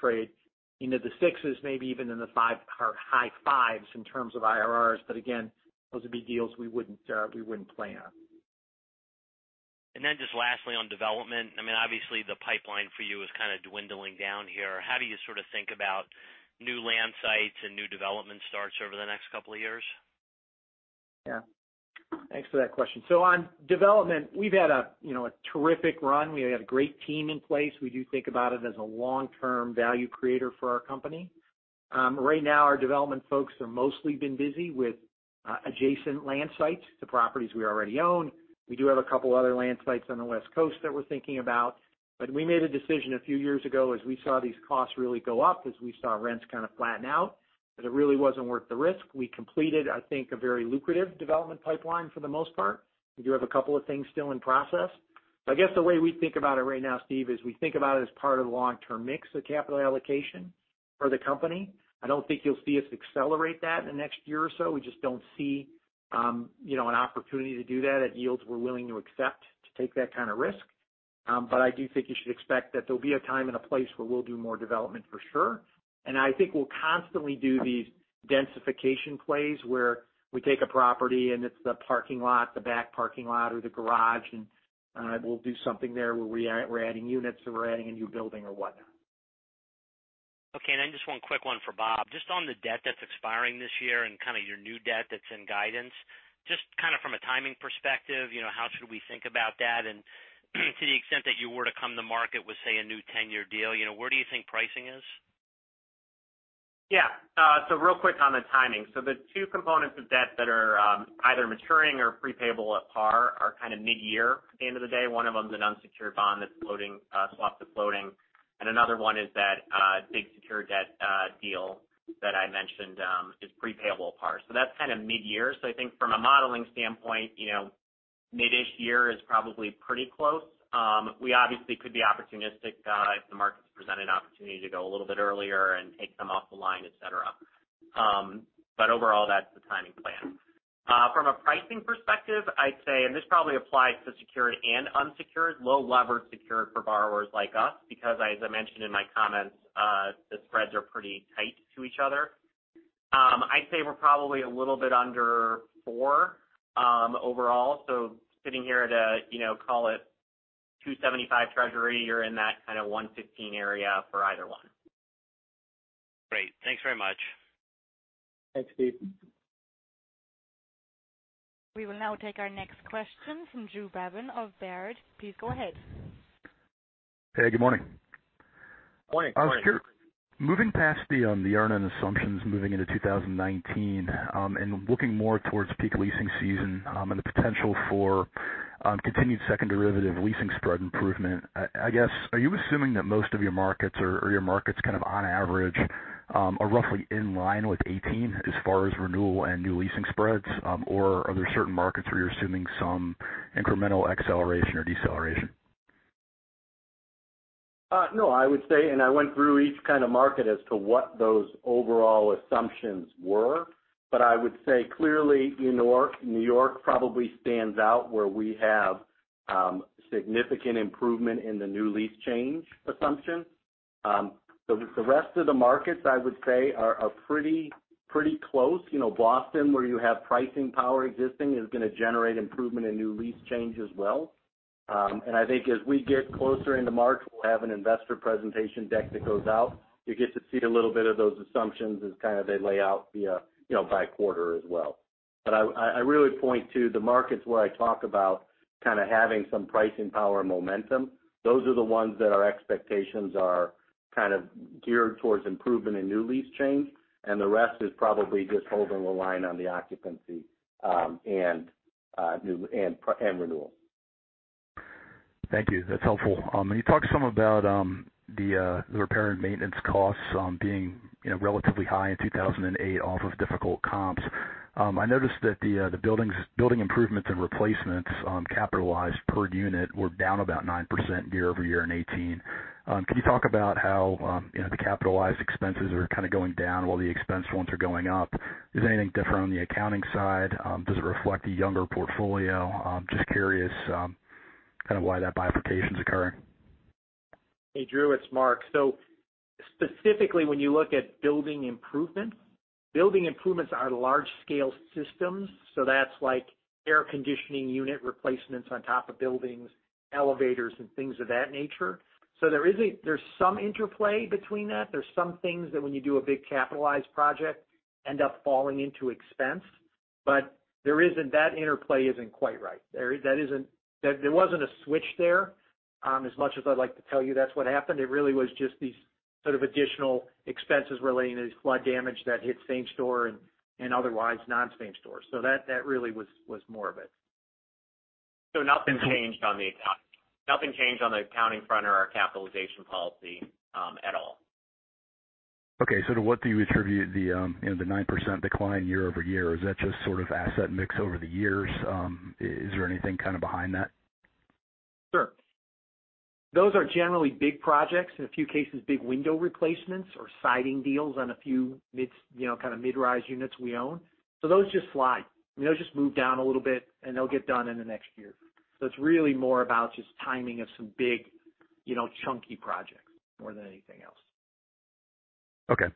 S3: trades into the sixes, maybe even in the high fives in terms of IRRs. Again, those would be deals we wouldn't plan.
S10: Just lastly on development, I mean, obviously the pipeline for you is kind of dwindling down here. How do you sort of think about new land sites and new development starts over the next couple of years?
S3: Yeah. Thanks for that question. On development, we've had a terrific run. We have a great team in place. We do think about it as a long-term value creator for our company. Right now our development folks are mostly been busy with adjacent land sites to properties we already own. We do have a couple other land sites on the West Coast that we're thinking about, but we made a decision a few years ago as we saw these costs really go up, as we saw rents kind of flatten out, that it really wasn't worth the risk. We completed, I think, a very lucrative development pipeline for the most part. We do have a couple of things still in process. I guess the way we think about it right now, Steve, is we think about it as part of the long-term mix of capital allocation for the company. I don't think you'll see us accelerate that in the next year or so. We just don't see an opportunity to do that at yields we're willing to accept to take that kind of risk. I do think you should expect that there'll be a time and a place where we'll do more development for sure, I think we'll constantly do these densification plays where we take a property and it's the parking lot, the back parking lot or the garage, and we'll do something there where we're adding units or we're adding a new building or whatnot.
S10: Okay, just one quick one for Bob. Just on the debt that's expiring this year and kind of your new debt that's in guidance, just kind of from a timing perspective, how should we think about that? To the extent that you were to come to market with, say, a new 10-year deal, where do you think pricing is?
S5: Yeah. Real quick on the timing. The two components of debt that are either maturing or pre-payable at par are kind of mid-year at the end of the day. One of them's an unsecured bond that's floating, swaps is floating, another one is that big secured debt deal that I mentioned is pre-payable at par. That's kind of mid-year. I think from a modeling standpoint, mid-ish year is probably pretty close. We obviously could be opportunistic if the markets present an opportunity to go a little bit earlier and take some off the line, et cetera. Overall, that's the timing plan. From a pricing perspective, I'd say, this probably applies to secured and unsecured, low levered secured for borrowers like us because as I mentioned in my comments, the spreads are pretty tight to each other. I'd say we're probably a little bit under four overall. Sitting here at a call it 275 treasury, you're in that kind of 115 area for either one.
S10: Great. Thanks very much.
S3: Thanks, Steve.
S1: We will now take our next question from Drew Babin of Baird. Please go ahead.
S11: Hey, good morning.
S4: Morning.
S11: I was moving past the earn-in assumptions moving into 2019, looking more towards peak leasing season, and the potential for continued second derivative leasing spread improvement, I guess, are you assuming that most of your markets or your markets kind of on average, are roughly in line with 2018 as far as renewal and new leasing spreads? Are there certain markets where you're assuming some incremental acceleration or deceleration?
S4: No, I would say, I went through each kind of market as to what those overall assumptions were. I would say clearly New York probably stands out where we have significant improvement in the new lease change assumption. The rest of the markets, I would say, are pretty close. Boston, where you have pricing power existing, is going to generate improvement in new lease change as well. I think as we get closer into March, we'll have an investor presentation deck that goes out. You'll get to see a little bit of those assumptions as kind of they lay out via by quarter as well. I really point to the markets where I talk about kind of having some pricing power momentum. Those are the ones that our expectations are kind of geared towards improvement in new lease change. The rest is probably just holding the line on the occupancy and renewal.
S11: Thank you. That's helpful. You talked some about the repair and maintenance costs on being relatively high in 2008 off of difficult comps. I noticed that the building improvements and replacements, capitalized per unit, were down about nine percent year-over-year in 2018. Can you talk about how the capitalized expenses are kind of going down while the expense ones are going up? Is there anything different on the accounting side? Does it reflect a younger portfolio? Just curious kind of why that bifurcation is occurring.
S3: Hey, Drew, it's Mark. Specifically, when you look at building improvement, building improvements are large-scale systems, that's like air conditioning unit replacements on top of buildings, elevators and things of that nature. There's some interplay between that. There's some things that when you do a big capitalized project end up falling into expense. That interplay isn't quite right. There wasn't a switch there. As much as I'd like to tell you that's what happened, it really was just these sort of additional expenses relating to flood damage that hit same-store and otherwise non-same-store. That really was more of it.
S5: Nothing changed on the accounting front or our capitalization policy at all.
S11: Okay. To what do you attribute the nine percent decline year-over-year? Is that just sort of asset mix over the years? Is there anything kind of behind that?
S3: Sure. Those are generally big projects, in a few cases, big window replacements or siding deals on a few kind of mid-rise units we own. Those just slide. Those just move down a little bit, and they'll get done in the next year. It's really more about just timing of some big chunky projects more than anything else.
S11: Okay.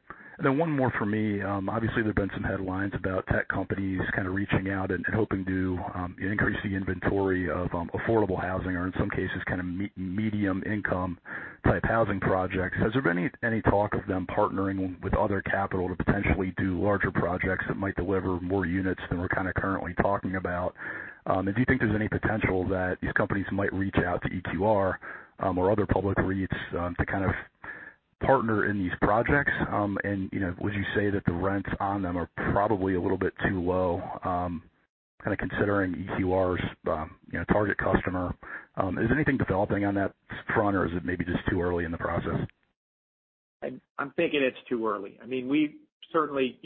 S11: Then one more from me. Obviously, there's been some headlines about tech companies kind of reaching out and hoping to increase the inventory of affordable housing or in some cases, kind of medium income type housing projects. Has there been any talk of them partnering with other capital to potentially do larger projects that might deliver more units than we're kind of currently talking about? Do you think there's any potential that these companies might reach out to EQR or other public REITs to kind of partner in these projects? Would you say that the rents on them are probably a little bit too low, kind of considering EQR's target customer? Is anything developing on that front, or is it maybe just too early in the process?
S4: I'm thinking it's too early. We certainly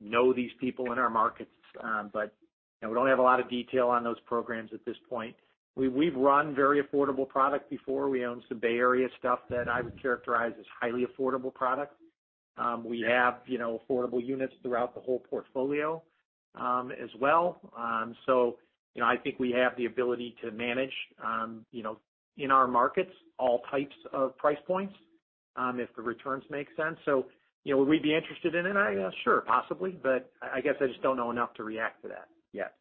S4: know these people in our markets. We don't have a lot of detail on those programs at this point. We've run very affordable product before. We own some Bay Area stuff that I would characterize as highly affordable product. We have affordable units throughout the whole portfolio as well. I think we have the ability to manage in our markets all types of price points, if the returns make sense. Would we be interested in it? Sure, possibly, but I guess I just don't know enough to react to that yet.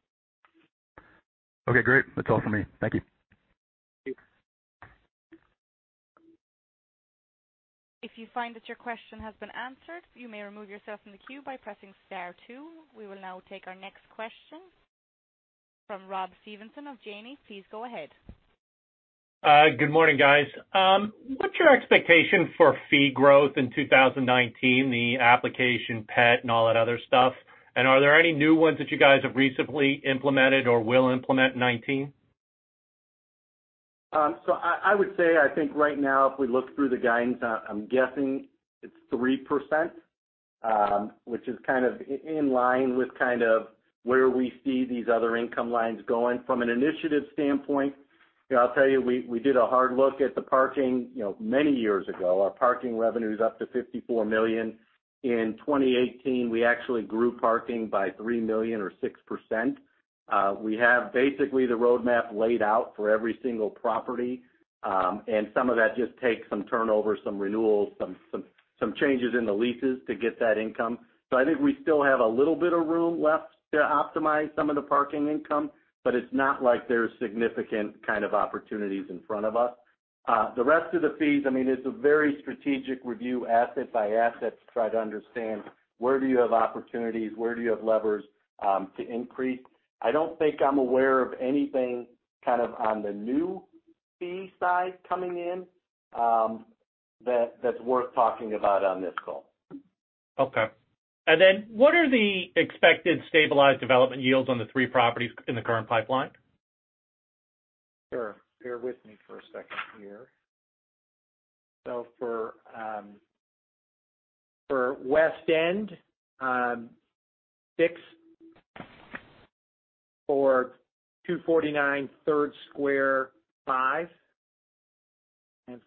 S11: Okay, great. That's all for me. Thank you.
S3: Thank you.
S1: If you find that your question has been answered, you may remove yourself from the queue by pressing star two. We will now take our next question from Rob Stevenson of Janney. Please go ahead.
S12: Good morning, guys. What's your expectation for fee growth in 2019, the application pet and all that other stuff? Are there any new ones that you guys have recently implemented or will implement in 2019?
S4: I would say, I think right now, if we look through the guidance, I'm guessing it's three percent, which is kind of in line with kind of where we see these other income lines going. From an initiative standpoint, I'll tell you, we did a hard look at the parking many years ago. Our parking revenue's up to $54 million. In 2018, we actually grew parking by $3 million or six percent. We have basically the roadmap laid out for every single property. Some of that just takes some turnover, some renewals, some changes in the leases to get that income. I think we still have a little bit of room left to optimize some of the parking income, but it's not like there's significant kind of opportunities in front of us. The rest of the fees, it's a very strategic review asset by asset to try to understand where do you have opportunities, where do you have levers to increase. I don't think I'm aware of anything kind of on the new fee side coming in that's worth talking about on this call.
S12: Okay. What are the expected stabilized development yields on the three properties in the current pipeline?
S3: Sure. Bear with me for a second here. For West End, six. For 249 Third Square, five.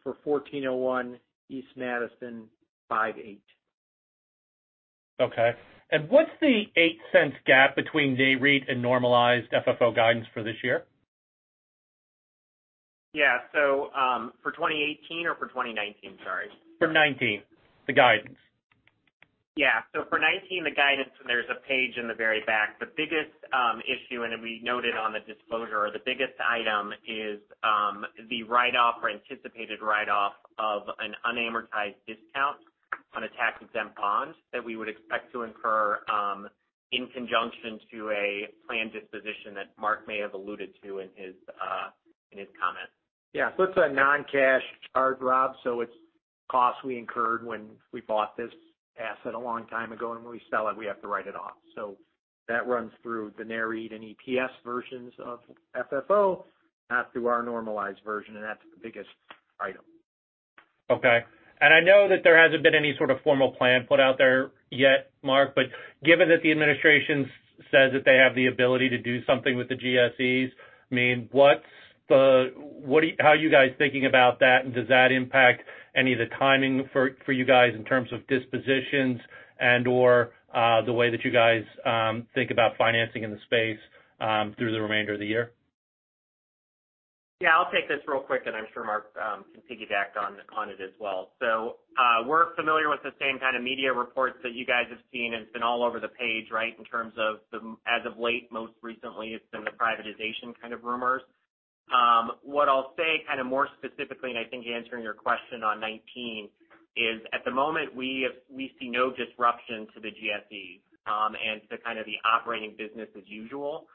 S3: For 1401 East Madison, five eight.
S12: Okay, what's the $0.08 gap between NAREIT and normalized FFO guidance for this year?
S5: Yeah. For 2018 or for 2019? Sorry.
S12: For 2019, the guidance.
S5: Yeah. For 2019, the guidance, and there's a page in the very back, the biggest issue, and we noted on the disclosure, the biggest item is the write-off or anticipated write-off of an unamortized discount on a tax-exempt bond that we would expect to incur in conjunction to a planned disposition that Mark may have alluded to in his comments.
S3: It's a non-cash charge, Rob. It's costs we incurred when we bought this asset a long time ago, and when we sell it, we have to write it off. That runs through the NAREIT and EPS versions of FFO, not through our normalized version. That's the biggest item.
S12: Okay. I know that there hasn't been any sort of formal plan put out there yet, Mark, but given that the administration says that they have the ability to do something with the GSEs, how are you guys thinking about that? Does that impact any of the timing for you guys in terms of dispositions and/or the way that you guys think about financing in the space through the remainder of the year?
S5: I'll take this real quick, and I'm sure Mark can piggyback on it as well. We're familiar with the same kind of media reports that you guys have seen, and it's been all over the page, right, in terms of as of late, most recently, it's been the privatization kind of rumors. What I'll say kind of more specifically, and I think answering your question on 2019 is at the moment, we see no disruption to the GSEs. To kind of the operating business as usual.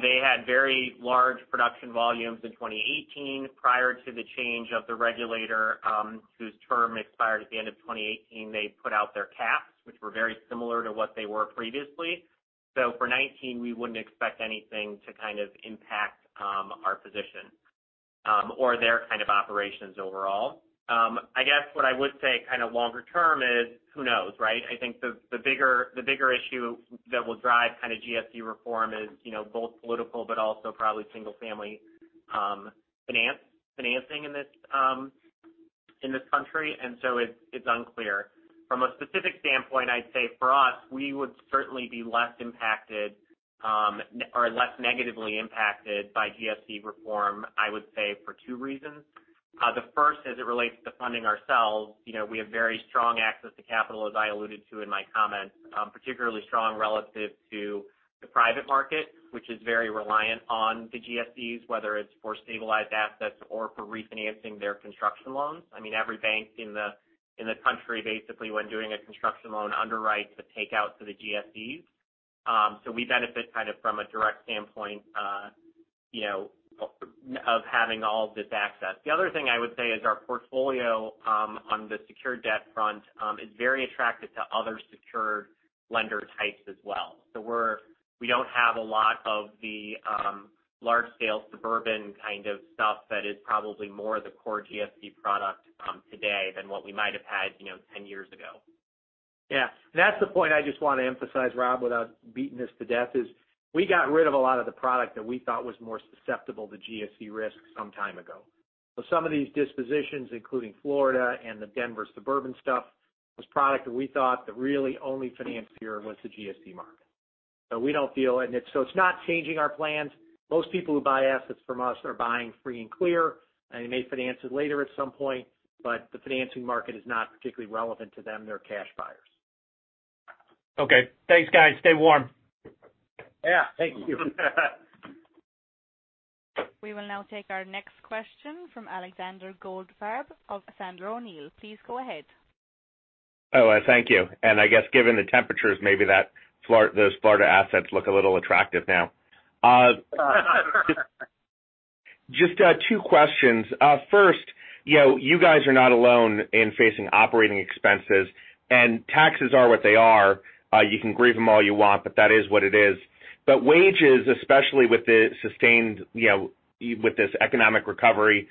S5: They had very large production volumes in 2018 prior to the change of the regulator, whose term expired at the end of 2018. They put out their caps, which were very similar to what they were previously. For 2019, we wouldn't expect anything to kind of impact our position, or their kind of operations overall. I guess what I would say kind of longer term is, who knows, right? I think the bigger issue that will drive kind of GSE reform is both political but also probably single-family financing in this country. It's unclear. From a specific standpoint, I'd say for us, we would certainly be less impacted, or less negatively impacted by GSE reform, I would say for two reasons. The first, as it relates to funding ourselves, we have very strong access to capital, as I alluded to in my comments. Particularly strong relative to the private market, which is very reliant on the GSEs, whether it's for stabilized assets or for refinancing their construction loans. I mean, every bank in the country, basically, when doing a construction loan underwrites the takeout to the GSEs. We benefit kind of from a direct standpoint of having all of this access. The other thing I would say is our portfolio, on the secured debt front, is very attractive to other secured lender types as well. We don't have a lot of the large-scale suburban kind of stuff that is probably more the core GSE product today than what we might have had 10 years ago.
S3: Yeah. That's the point I just want to emphasize, Rob, without beating this to death, is we got rid of a lot of the product that we thought was more susceptible to GSE risk some time ago. Some of these dispositions, including Florida and the Denver suburban stuff, was product that we thought that really only financier was the GSE market. It's not changing our plans. Most people who buy assets from us are buying free and clear, and they may finance it later at some point, but the financing market is not particularly relevant to them. They're cash buyers.
S12: Okay. Thanks, guys. Stay warm.
S3: Yeah. Thank you.
S1: We will now take our next question from Alexander Goldfarb of Sandler O'Neill. Please go ahead.
S13: Oh, thank you. I guess given the temperatures, maybe those Florida assets look a little attractive now. Just two questions. First, you guys are not alone in facing operating expenses, and taxes are what they are. You can grieve them all you want, but that is what it is. Wages, especially with this economic recovery,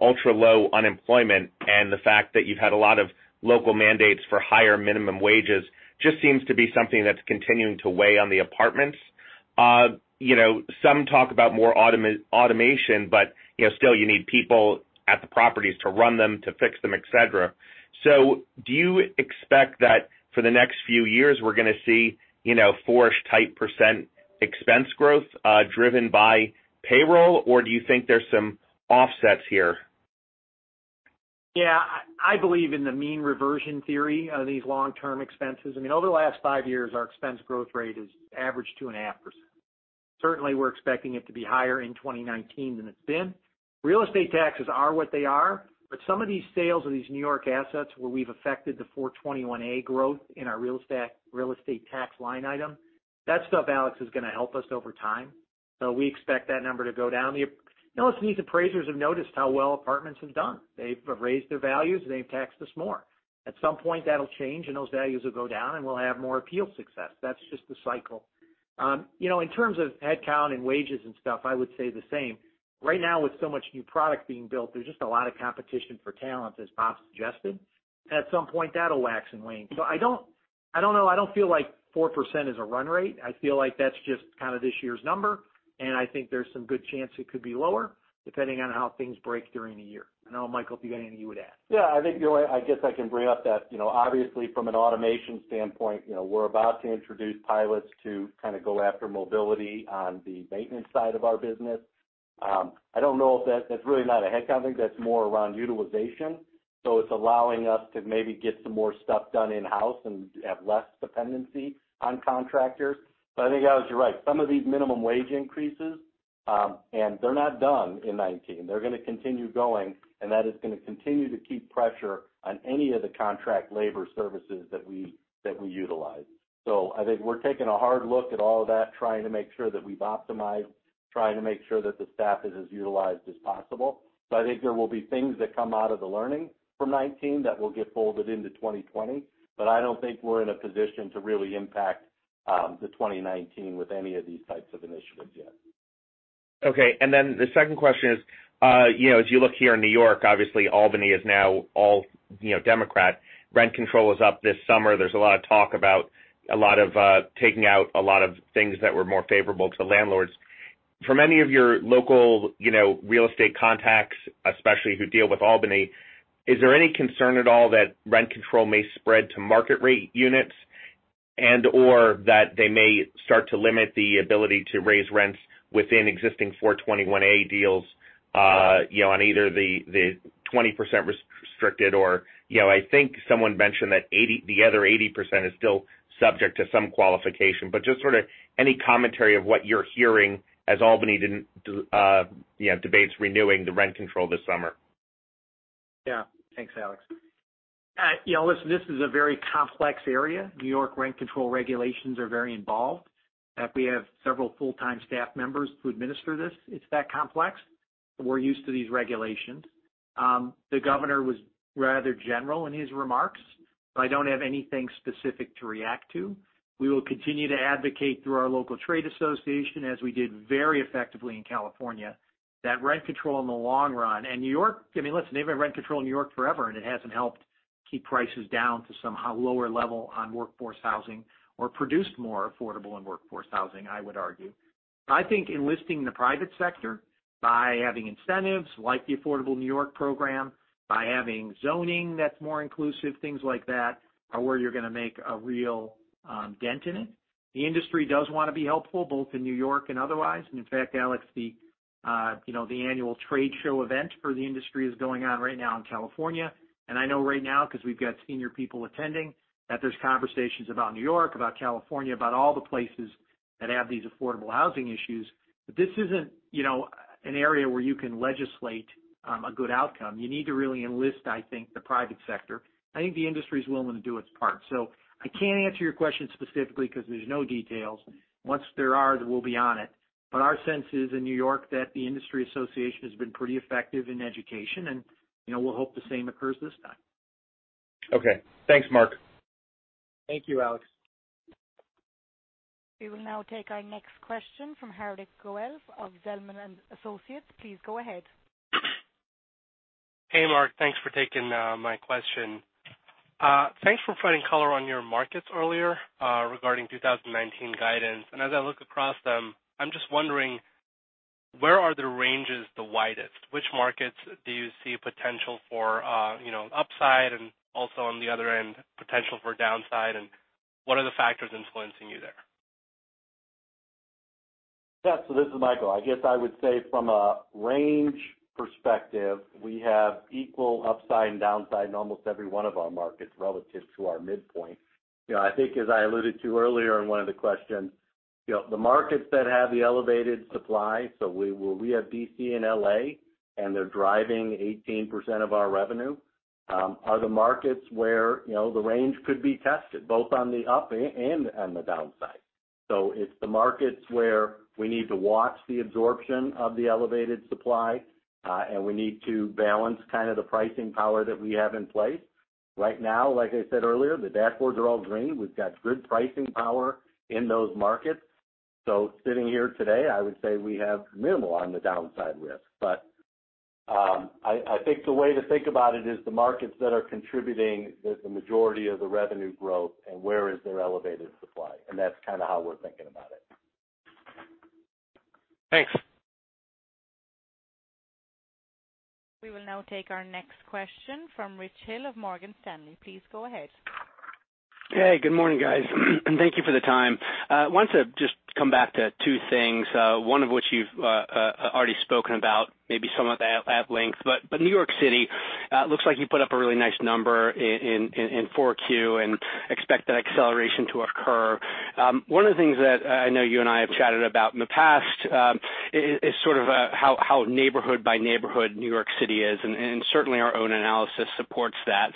S13: ultra-low unemployment, and the fact that you've had a lot of local mandates for higher minimum wages, just seems to be something that's continuing to weigh on the apartments. Some talk about more automation, but still you need people at the properties to run them, to fix them, et cetera. Do you expect that for the next few years, we're going to see four-ish type percent expense growth driven by payroll, or do you think there's some offsets here?
S3: Yeah. I believe in the mean reversion theory of these long-term expenses. I mean, over the last five years, our expense growth rate has averaged two and a half percent. Certainly, we're expecting it to be higher in 2019 than it's been. Real estate taxes are what they are, but some of these sales of these New York assets where we've affected the 421-a growth in our real estate tax line item, that stuff, Alex, is going to help us over time. So we expect that number to go down. These appraisers have noticed how well apartments have done. They've raised their values. They've taxed us more. At some point, that'll change, and those values will go down, and we'll have more appeal success. That's just the cycle. In terms of headcount and wages and stuff, I would say the same. Right now, with so much new product being built, there's just a lot of competition for talent, as Robert Garechana suggested. At some point, that'll wax and wane. I don't know. I don't feel like four percent is a run rate. I feel like that's just kind of this year's number, and I think there's some good chance it could be lower depending on how things break during the year. I don't know, Michael Manelis, if you had anything you would add.
S4: I think from an automation standpoint, we're about to introduce pilots to kind of go after mobility on the maintenance side of our business. I don't know if that's really not a headcount thing, that's more around utilization. It's allowing us to maybe get some more stuff done in-house and have less dependency on contractors. I think, Alex, you're right. Some of these minimum wage increases, they're not done in 2019. They're going to continue going, that is going to continue to keep pressure on any of the contract labor services that we utilize. I think we're taking a hard look at all of that, trying to make sure that we've optimized, trying to make sure that the staff is as utilized as possible. I think there will be things that come out of the learning from 2019 that will get folded into 2020. I don't think we're in a position to really impact the 2019 with any of these types of initiatives yet.
S13: The second question is, as you look here in New York, obviously Albany is now all Democrat. Rent control was up this summer. There's a lot of talk about a lot of taking out a lot of things that were more favorable to landlords. From any of your local real estate contacts, especially who deal with Albany, is there any concern at all that rent control may spread to market-rate units and/or that they may start to limit the ability to raise rents within existing 421-a deals on either the 20% restricted or, I think someone mentioned that the other 80% is still subject to some qualification. Just sort of any commentary of what you're hearing as Albany debates renewing the rent control this summer.
S3: Thanks, Alex. Listen, this is a very complex area. New York rent control regulations are very involved. We have several full-time staff members who administer this. It's that complex. We're used to these regulations. The governor was rather general in his remarks, I don't have anything specific to react to. We will continue to advocate through our local trade association as we did very effectively in California, that rent control in the long run. New York, I mean, listen, they've had rent control in New York forever, it hasn't helped keep prices down to some lower level on workforce housing or produced more affordable and workforce housing, I would argue. I think enlisting the private sector by having incentives like the Affordable New York program, by having zoning that's more inclusive, things like that, are where you're going to make a real dent in it. The industry does want to be helpful, both in New York and otherwise. In fact, Alex, the annual trade show event for the industry is going on right now in California. I know right now, because we've got senior people attending, that there's conversations about New York, about California, about all the places that have these affordable housing issues. This isn't an area where you can legislate a good outcome. You need to really enlist, I think, the private sector. I think the industry is willing to do its part. I can't answer your question specifically because there's no details. Once there are, we'll be on it. Our sense is in New York that the industry association has been pretty effective in education, and we'll hope the same occurs this time.
S13: Okay. Thanks, Mark.
S3: Thank you, Alex.
S1: We will now take our next question from Haendel St. Juste of Zelman & Associates. Please go ahead.
S14: Hey, Mark. Thanks for taking my question. Thanks for providing color on your markets earlier regarding 2019 guidance. As I look across them, I'm just wondering where are the ranges the widest? Which markets do you see potential for upside and also on the other end, potential for downside, and what are the factors influencing you there?
S4: Yeah. This is Michael. I guess I would say from a range perspective, we have equal upside and downside in almost every one of our markets relative to our midpoint. I think as I alluded to earlier in one of the questions, the markets that have the elevated supply, we have D.C. and L.A., and they're driving 18% of our revenue, are the markets where the range could be tested both on the up and on the downside. It's the markets where we need to watch the absorption of the elevated supply, and we need to balance kind of the pricing power that we have in place. Right now, like I said earlier, the dashboards are all green. We've got good pricing power in those markets. Sitting here today, I would say we have minimal on the downside risk. I think the way to think about it is the markets that are contributing the majority of the revenue growth and where is their elevated supply. That's kind of how we're thinking about it.
S14: Thanks.
S1: We will now take our next question from Richard Hill of Morgan Stanley. Please go ahead.
S15: Good morning, guys, and thank you for the time. Wanted to just come back to two things, one of which you've already spoken about, maybe somewhat at length. New York City, looks like you put up a really nice number in Q4 and expect that acceleration to occur. One of the things that I know you and I have chatted about in the past is sort of how neighborhood by neighborhood New York City is, and certainly our own analysis supports that.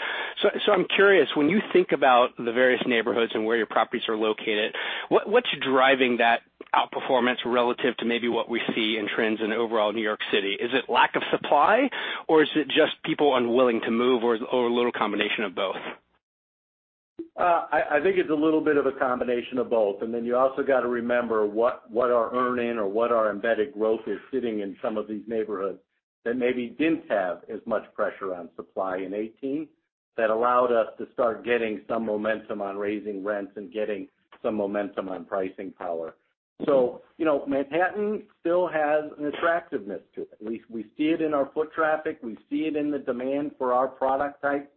S15: I'm curious, when you think about the various neighborhoods and where your properties are located, what's driving that outperformance relative to maybe what we see in trends in overall New York City? Is it lack of supply, or is it just people unwilling to move, or a little combination of both?
S4: I think it's a little bit of a combination of both. You also got to remember what our earning or what our embedded growth is sitting in some of these neighborhoods that maybe didn't have as much pressure on supply in 2018. That allowed us to start getting some momentum on raising rents and getting some momentum on pricing power. Manhattan still has an attractiveness to it. We see it in our foot traffic. We see it in the demand for our product type.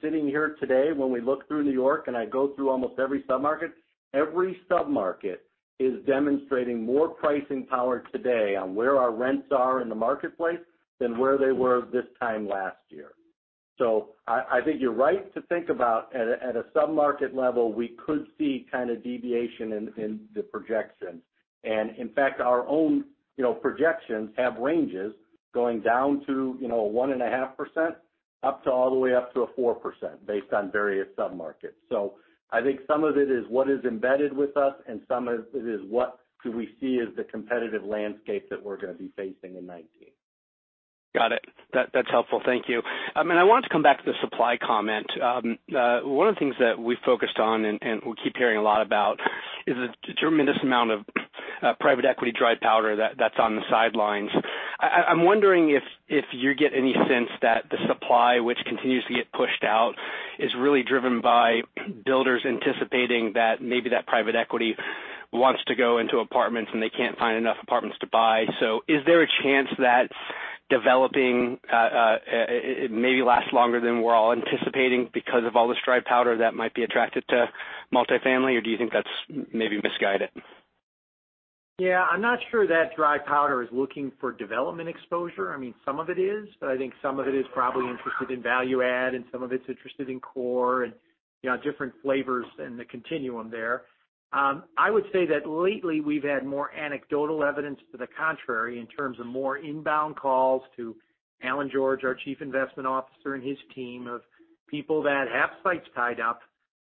S4: Sitting here today, when we look through New York, and I go through almost every sub-market, every sub-market is demonstrating more pricing power today on where our rents are in the marketplace than where they were this time last year. I think you're right to think about, at a sub-market level, we could see kind of deviation in the projections. In fact, our own projections have ranges going down to one and a half percent up to all the way up to a four percent, based on various sub-markets. I think some of it is what is embedded with us, and some of it is what do we see as the competitive landscape that we're going to be facing in 2019.
S15: Got it. That's helpful. Thank you. I wanted to come back to the supply comment. One of the things that we focused on, and we keep hearing a lot about, is the tremendous amount of private equity dry powder that's on the sidelines. I'm wondering if you get any sense that the supply which continues to get pushed out is really driven by builders anticipating that maybe that private equity wants to go into apartments, and they can't find enough apartments to buy. Is there a chance that developing maybe lasts longer than we're all anticipating because of all this dry powder that might be attracted to multifamily, or do you think that's maybe misguided?
S3: Yeah. I'm not sure that dry powder is looking for development exposure. Some of it is, but I think some of it is probably interested in value add and some of it's interested in core and different flavors in the continuum there. I would say that lately we've had more anecdotal evidence to the contrary in terms of more inbound calls to Alan George, our Chief Investment Officer, and his team of people that have sites tied up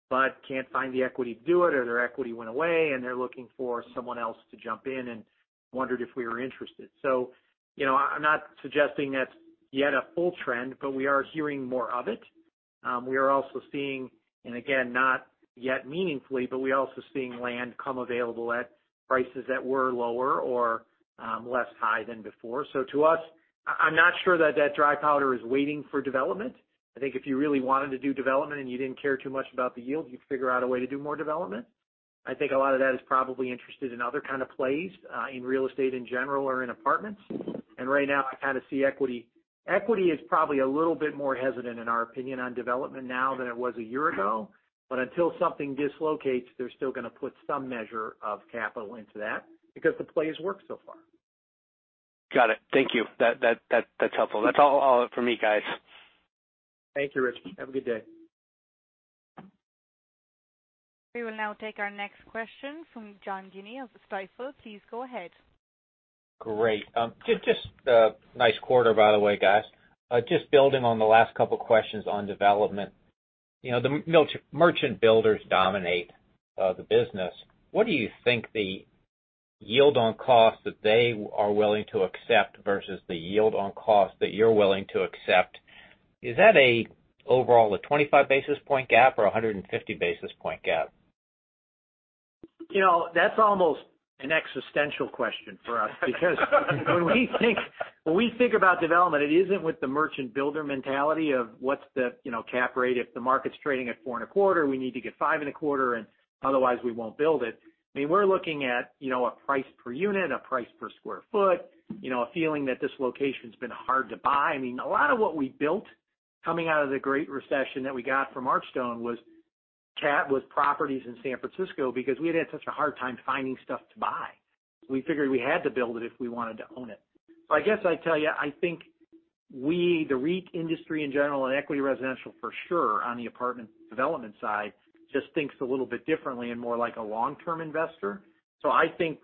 S3: but can't find the equity to do it, or their equity went away, and they're looking for someone else to jump in and wondered if we were interested. I'm not suggesting that's yet a full trend, but we are hearing more of it. We are also seeing, and again, not yet meaningfully, but we're also seeing land come available at prices that were lower or less high than before. To us, I'm not sure that that dry powder is waiting for development. I think if you really wanted to do development and you didn't care too much about the yield, you'd figure out a way to do more development. I think a lot of that is probably interested in other kind of plays in real estate in general or in apartments. Right now, I kind of see equity. Equity is probably a little bit more hesitant, in our opinion, on development now than it was a year ago. Until something dislocates, they're still going to put some measure of capital into that because the play has worked so far.
S15: Got it. Thank you. That's helpful. That's all for me, guys.
S3: Thank you, Richard. Have a good day.
S1: We will now take our next question from John Guinee of Stifel. Please go ahead.
S16: Great. Just a nice quarter, by the way, guys. Just building on the last couple questions on development. The merchant builders dominate the business. What do you think the yield on cost that they are willing to accept versus the yield on cost that you're willing to accept? Is that a overall a 25 basis point gap or 150 basis point gap?
S3: When we think about development, it isn't with the merchant builder mentality of what's the cap rate. If the market's trading at four and a quarter, we need to get five and a quarter, and otherwise we won't build it. We're looking at a price per unit, a price per square foot, a feeling that this location's been hard to buy. A lot of what we built coming out of the great recession that we got from Archstone was properties in San Francisco because we had had such a hard time finding stuff to buy. We figured we had to build it if we wanted to own it. I guess I'd tell you, I think we, the REIT industry in general, and Equity Residential for sure on the apartment development side, just thinks a little bit differently and more like a long-term investor. I think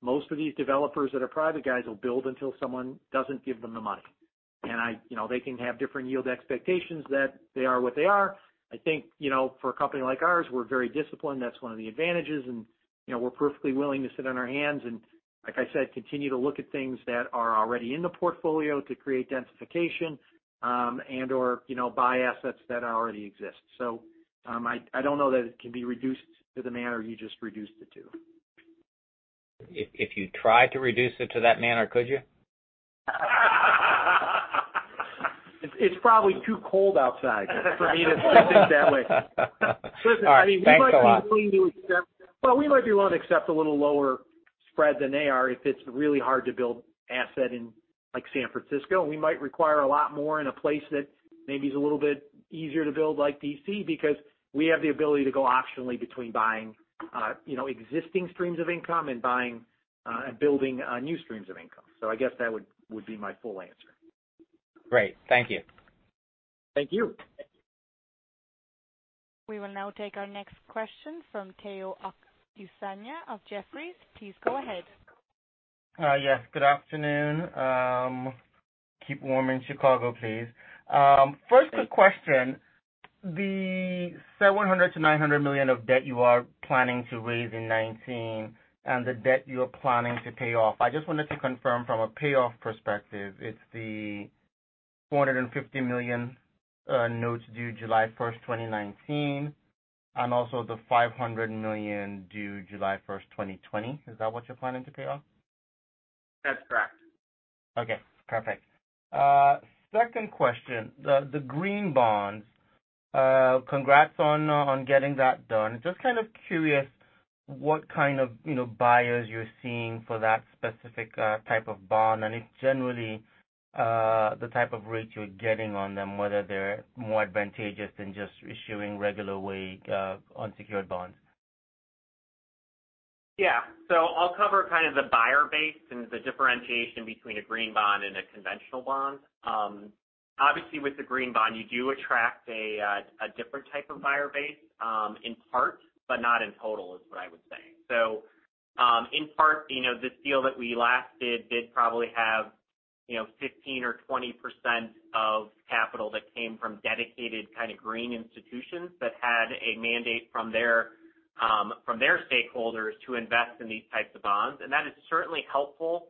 S3: most of these developers that are private guys will build until someone doesn't give them the money. They can have different yield expectations, they are what they are. I think for a company like ours, we're very disciplined. That's one of the advantages, and we're perfectly willing to sit on our hands and, like I said, continue to look at things that are already in the portfolio to create densification, and/or buy assets that already exist. I don't know that it can be reduced to the manner you just reduced it to.
S16: If you try to reduce it to that manner, could you?
S3: It's probably too cold outside for me to think that way.
S16: All right. Thanks a lot.
S3: Listen, we might be willing to accept a little lower spread than they are if it's really hard to build asset in San Francisco. We might require a lot more in a place that maybe is a little bit easier to build, like D.C., because we have the ability to go optionally between buying existing streams of income and building new streams of income. I guess that would be my full answer.
S16: Great. Thank you.
S3: Thank you.
S1: We will now take our next question from Omotayo Okusanya of Jefferies. Please go ahead.
S17: Yes. Good afternoon. Keep warm in Chicago, please. First quick question. The $700 million-$900 million of debt you are planning to raise in 2019, and the debt you are planning to pay off. I just wanted to confirm from a payoff perspective, it's the $450 million notes due July first, 2019, and also the $500 million due July first, 2020. Is that what you're planning to pay off?
S5: That's correct.
S17: Okay, perfect. Second question. The green bond. Congrats on getting that done. Just kind of curious what kind of buyers you're seeing for that specific type of bond, and if generally, the type of rates you're getting on them, whether they're more advantageous than just issuing regular way on secured bonds.
S5: Yeah. I'll cover kind of the buyer base and the differentiation between a green bond and a conventional bond. Obviously, with the green bond, you do attract a different type of buyer base, in part, but not in total is what I would say. In part, this deal that we last did did probably have 15% or 20% of capital that came from dedicated kind of green institutions that had a mandate from their stakeholders to invest in these types of bonds. That is certainly helpful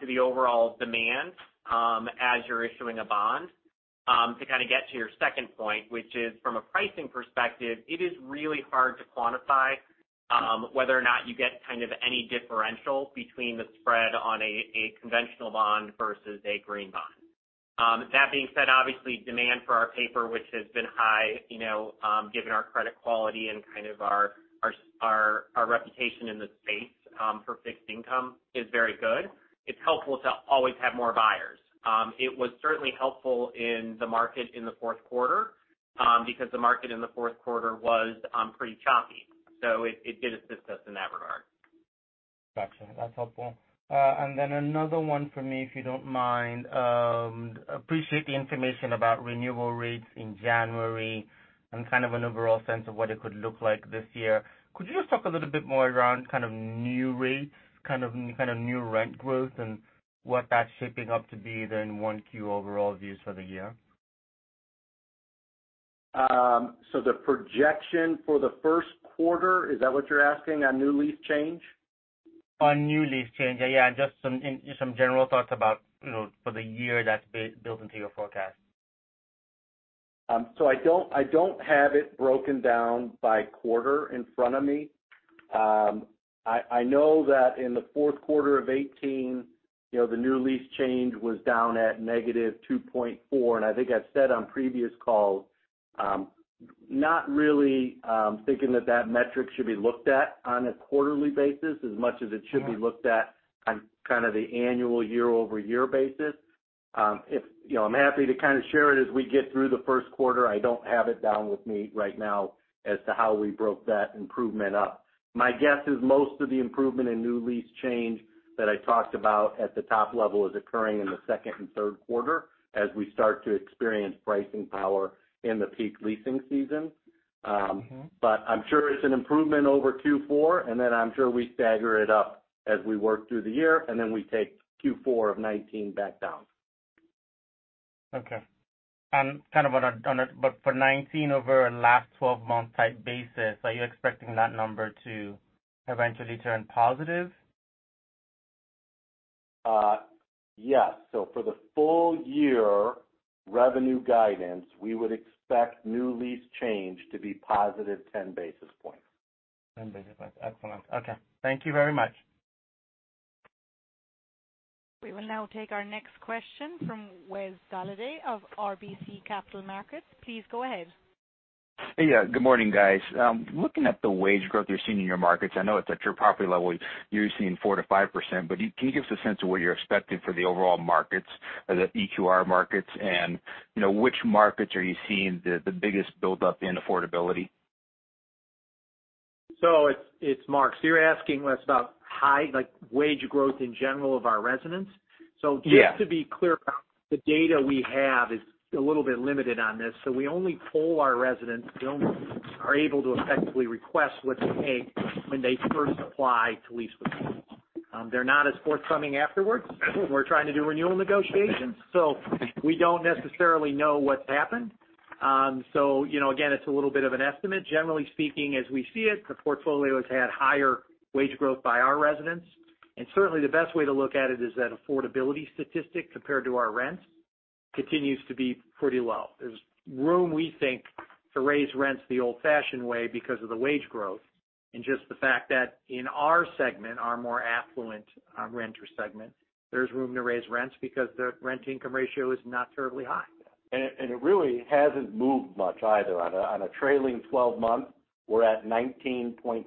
S5: to the overall demand as you're issuing a bond. To kind of get to your second point, which is from a pricing perspective, it is really hard to quantify whether or not you get kind of any differential between the spread on a conventional bond versus a green bond. That being said, obviously, demand for our paper, which has been high given our credit quality and kind of our reputation in the space for fixed income, is very good. It's helpful to always have more buyers. It was certainly helpful in the market in the fourth quarter, because the market in the fourth quarter was pretty choppy. It did assist us in that regard.
S17: Got you. That's helpful. Another one for me, if you don't mind. Appreciate the information about renewal rates in January and kind of an overall sense of what it could look like this year. Could you just talk a little bit more around kind of new rates, kind of new rent growth, and what that's shaping up to be, then 1Q overall views for the year?
S4: The projection for the first quarter, is that what you're asking, on new lease change?
S17: On new lease change, yeah. Just some general thoughts about for the year that's built into your forecast.
S4: I don't have it broken down by quarter in front of me. I know that in the fourth quarter of 2018, the new lease change was down at negative two point four, and I think I've said on previous calls, not really thinking that that metric should be looked at on a quarterly basis, as much as it should be looked at on kind of the annual year-over-year basis. I'm happy to kind of share it as we get through the first quarter. I don't have it down with me right now as to how we broke that improvement up. My guess is most of the improvement in new lease change that I talked about at the top level is occurring in the second and third quarter as we start to experience pricing power in the peak leasing season. I'm sure it's an improvement over Q4, and then I'm sure we stagger it up as we work through the year, and then we take Q4 of 2019 back down.
S17: Okay. For 2019 over a last 12-month type basis, are you expecting that number to eventually turn positive?
S4: Yes. For the full year revenue guidance, we would expect new lease change to be positive 10 basis points.
S17: 10 basis points. Excellent. Okay. Thank you very much.
S1: We will now take our next question from Wesley Golladay of RBC Capital Markets. Please go ahead.
S18: Yeah. Good morning, guys. Looking at the wage growth you're seeing in your markets, I know it's at your property level, you're seeing four to five percent, but can you give us a sense of what you're expecting for the overall markets or the EQR markets, and which markets are you seeing the biggest buildup in affordability?
S3: It's Mark. You're asking, Wes, about high wage growth in general of our residents?
S18: Yeah.
S3: Just to be clear, the data we have is a little bit limited on this. We only poll our residents, are able to effectively request what they make when they first apply to lease with us. They're not as forthcoming afterwards when we're trying to do renewal negotiations. We don't necessarily know what's happened. Again, it's a little bit of an estimate. Generally speaking, as we see it, the portfolio has had higher wage growth by our residents. Certainly the best way to look at it is that affordability statistic compared to our rents continues to be pretty low. There's room, we think, to raise rents the old-fashioned way because of the wage growth and just the fact that in our segment, our more affluent renter segment, there's room to raise rents because the rent income ratio is not terribly high.
S4: It really hasn't moved much either. On a trailing 12-month, we're at 19.3%,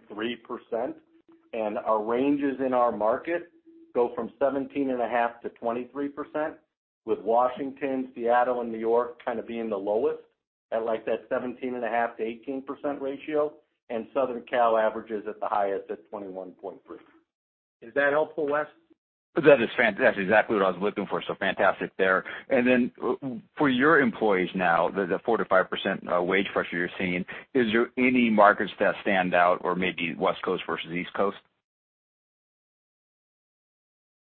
S4: and our ranges in our market go from 17.5% to 23%, with Washington, Seattle, and New York kind of being the lowest at like that 17.5% to 18% ratio, and Southern Cal averages at the highest at 21.3%.
S3: Is that helpful, Wes?
S18: That is fantastic. That's exactly what I was looking for, so fantastic there. For your employees now, the four to five percent wage pressure you're seeing, is there any markets that stand out or maybe West Coast versus East Coast?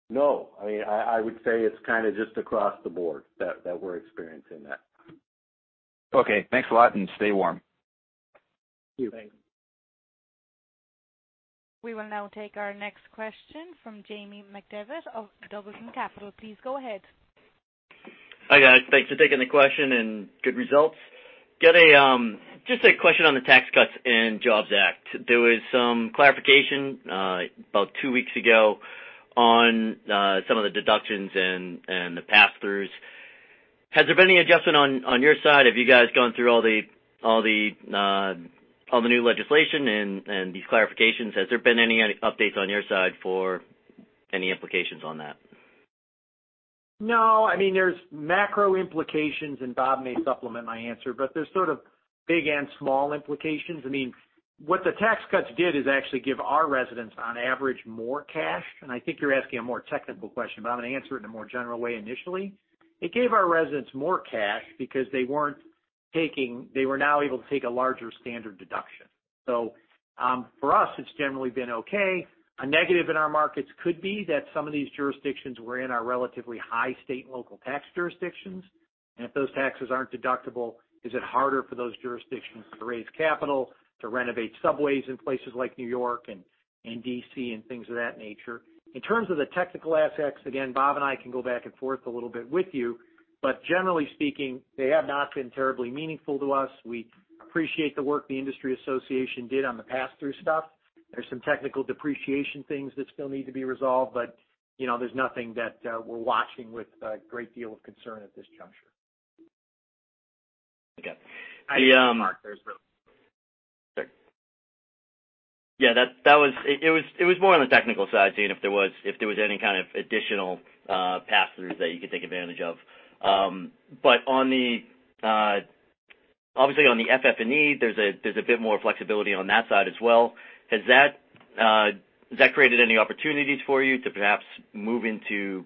S3: No. I would say it's kind of just across the board that we're experiencing that.
S18: Okay. Thanks a lot, and stay warm.
S3: You bet.
S1: We will now take our next question from John Kim of Green Street Advisors. Please go ahead.
S19: Hi, guys. Thanks for taking the question, and good results. Got just a question on the Tax Cuts and Jobs Act. There was some clarification about two weeks ago on some of the deductions and the passthroughs. Has there been any adjustment on your side? Have you guys gone through all the new legislation and these clarifications? Has there been any updates on your side for any implications on that?
S3: No. There's macro implications, Bob may supplement my answer, there's sort of big and small implications. What the tax cuts did is actually give our residents, on average, more cash. I think you're asking a more technical question, I'm going to answer it in a more general way initially. It gave our residents more cash because they were now able to take a larger standard deduction. For us, it's generally been okay. A negative in our markets could be that some of these jurisdictions were in our relatively high state and local tax jurisdictions, if those taxes aren't deductible, is it harder for those jurisdictions to raise capital to renovate subways in places like New York and D.C., and things of that nature. In terms of the technical aspects, again, Bob and I can go back and forth a little bit with you, generally speaking, they have not been terribly meaningful to us. We appreciate the work the industry association did on the passthrough stuff. There's some technical depreciation things that still need to be resolved, there's nothing that we're watching with a great deal of concern at this juncture.
S19: Okay.
S5: I concur with Mark there as well.
S19: Yeah. It was more on the technical side, seeing if there was any kind of additional passthroughs that you could take advantage of. Obviously on the FF&E, there's a bit more flexibility on that side as well. Has that created any opportunities for you to perhaps move into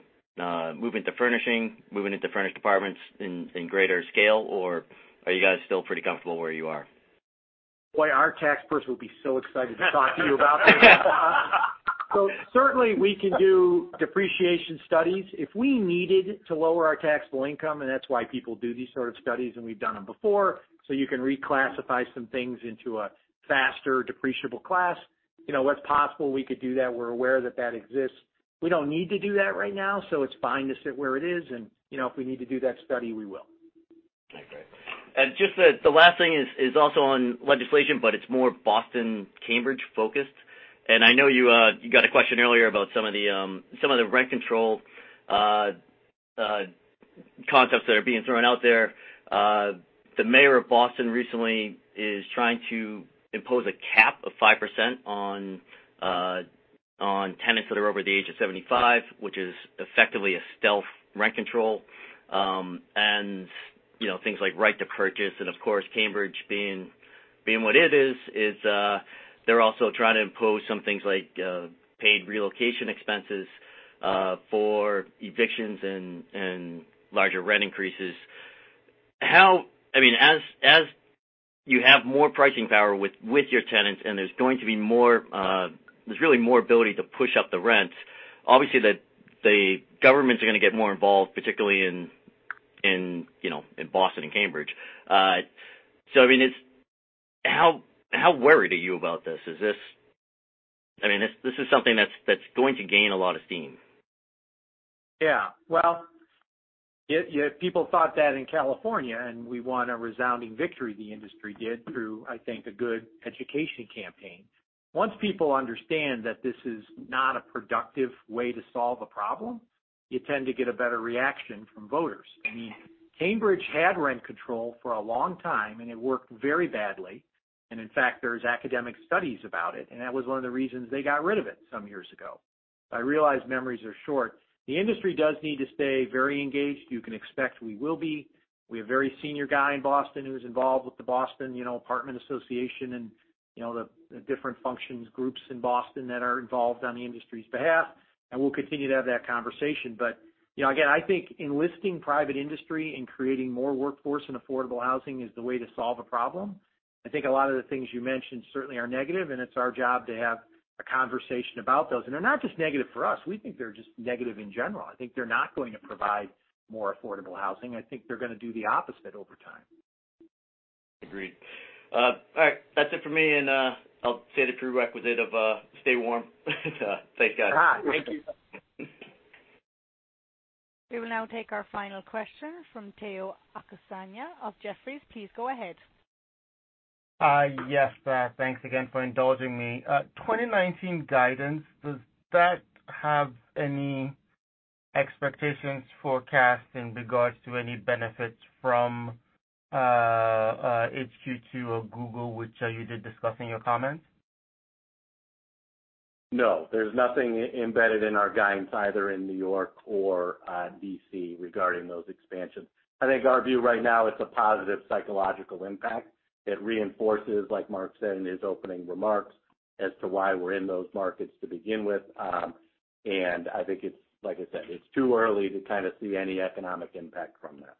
S19: furnishing, moving into furnished apartments in greater scale, or are you guys still pretty comfortable where you are?
S3: Boy, our tax person would be so excited to talk to you about this. Certainly we can do depreciation studies. If we needed to lower our taxable income, and that's why people do these sort of studies, and we've done them before, you can reclassify some things into a faster depreciable class. What's possible, we could do that. We're aware that that exists. We don't need to do that right now, it's fine to sit where it is, and if we need to do that study, we will.
S19: Okay. Just the last thing is also on legislation, it's more Boston, Cambridge-focused. I know you got a question earlier about some of the rent control concepts that are being thrown out there. The mayor of Boston recently is trying to impose a cap of five percent on tenants that are over the age of 75, which is effectively a stealth rent control, things like right to purchase, of course, Cambridge being what it is, they're also trying to impose some things like paid relocation expenses for evictions and larger rent increases. As you have more pricing power with your tenants, there's going to be more ability to push up the rents, obviously the governments are going to get more involved, particularly in Boston and Cambridge. How worried are you about this? This is something that's going to gain a lot of steam.
S3: Yeah. Well, yet people thought that in California, we won a resounding victory, the industry did, through, I think, a good education campaign. Once people understand that this is not a productive way to solve a problem, you tend to get a better reaction from voters. Cambridge had rent control for a long time, it worked very badly, in fact, there's academic studies about it, that was one of the reasons they got rid of it some years ago. I realize memories are short. The industry does need to stay very engaged. You can expect we will be. We have a very senior guy in Boston who's involved with the Massachusetts Apartment Association and the different functions groups in Boston that are involved on the industry's behalf, we'll continue to have that conversation. Again, I think enlisting private industry creating more workforce and affordable housing is the way to solve a problem. I think a lot of the things you mentioned certainly are negative, it's our job to have a conversation about those. They're not just negative for us. We think they're just negative in general. I think they're not going to provide more affordable housing. I think they're going to do the opposite over time.
S19: Agreed. All right. That's it for me. I'll say the prerequisite of stay warm. Thanks, guys.
S3: All right. Thank you.
S1: We will now take our final question from Omotayo Okusanya of Jefferies. Please go ahead.
S17: Yes. Thanks again for indulging me. 2019 guidance, does that have any expectations forecast in regards to any benefits from HQ2 or Google, which you did discuss in your comments?
S4: No. There's nothing embedded in our guidance either in New York or D.C. regarding those expansions. I think our view right now, it's a positive psychological impact. It reinforces, like Mark said in his opening remarks, as to why we're in those markets to begin with. I think it's like I said, it's too early to kind of see any economic impact from that.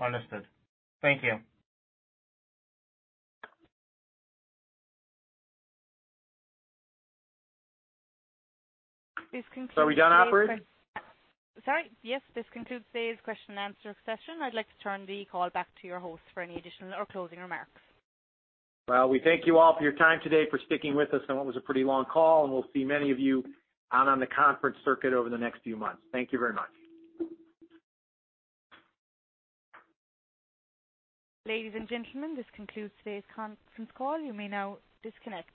S17: Understood. Thank you.
S1: This concludes our-
S3: Are we done, operator?
S1: Sorry. Yes. This concludes today's question and answer session. I'd like to turn the call back to your host for any additional or closing remarks.
S3: Well, we thank you all for your time today, for sticking with us on what was a pretty long call. We'll see many of you out on the conference circuit over the next few months. Thank you very much.
S1: Ladies and gentlemen, this concludes today's conference call. You may now disconnect.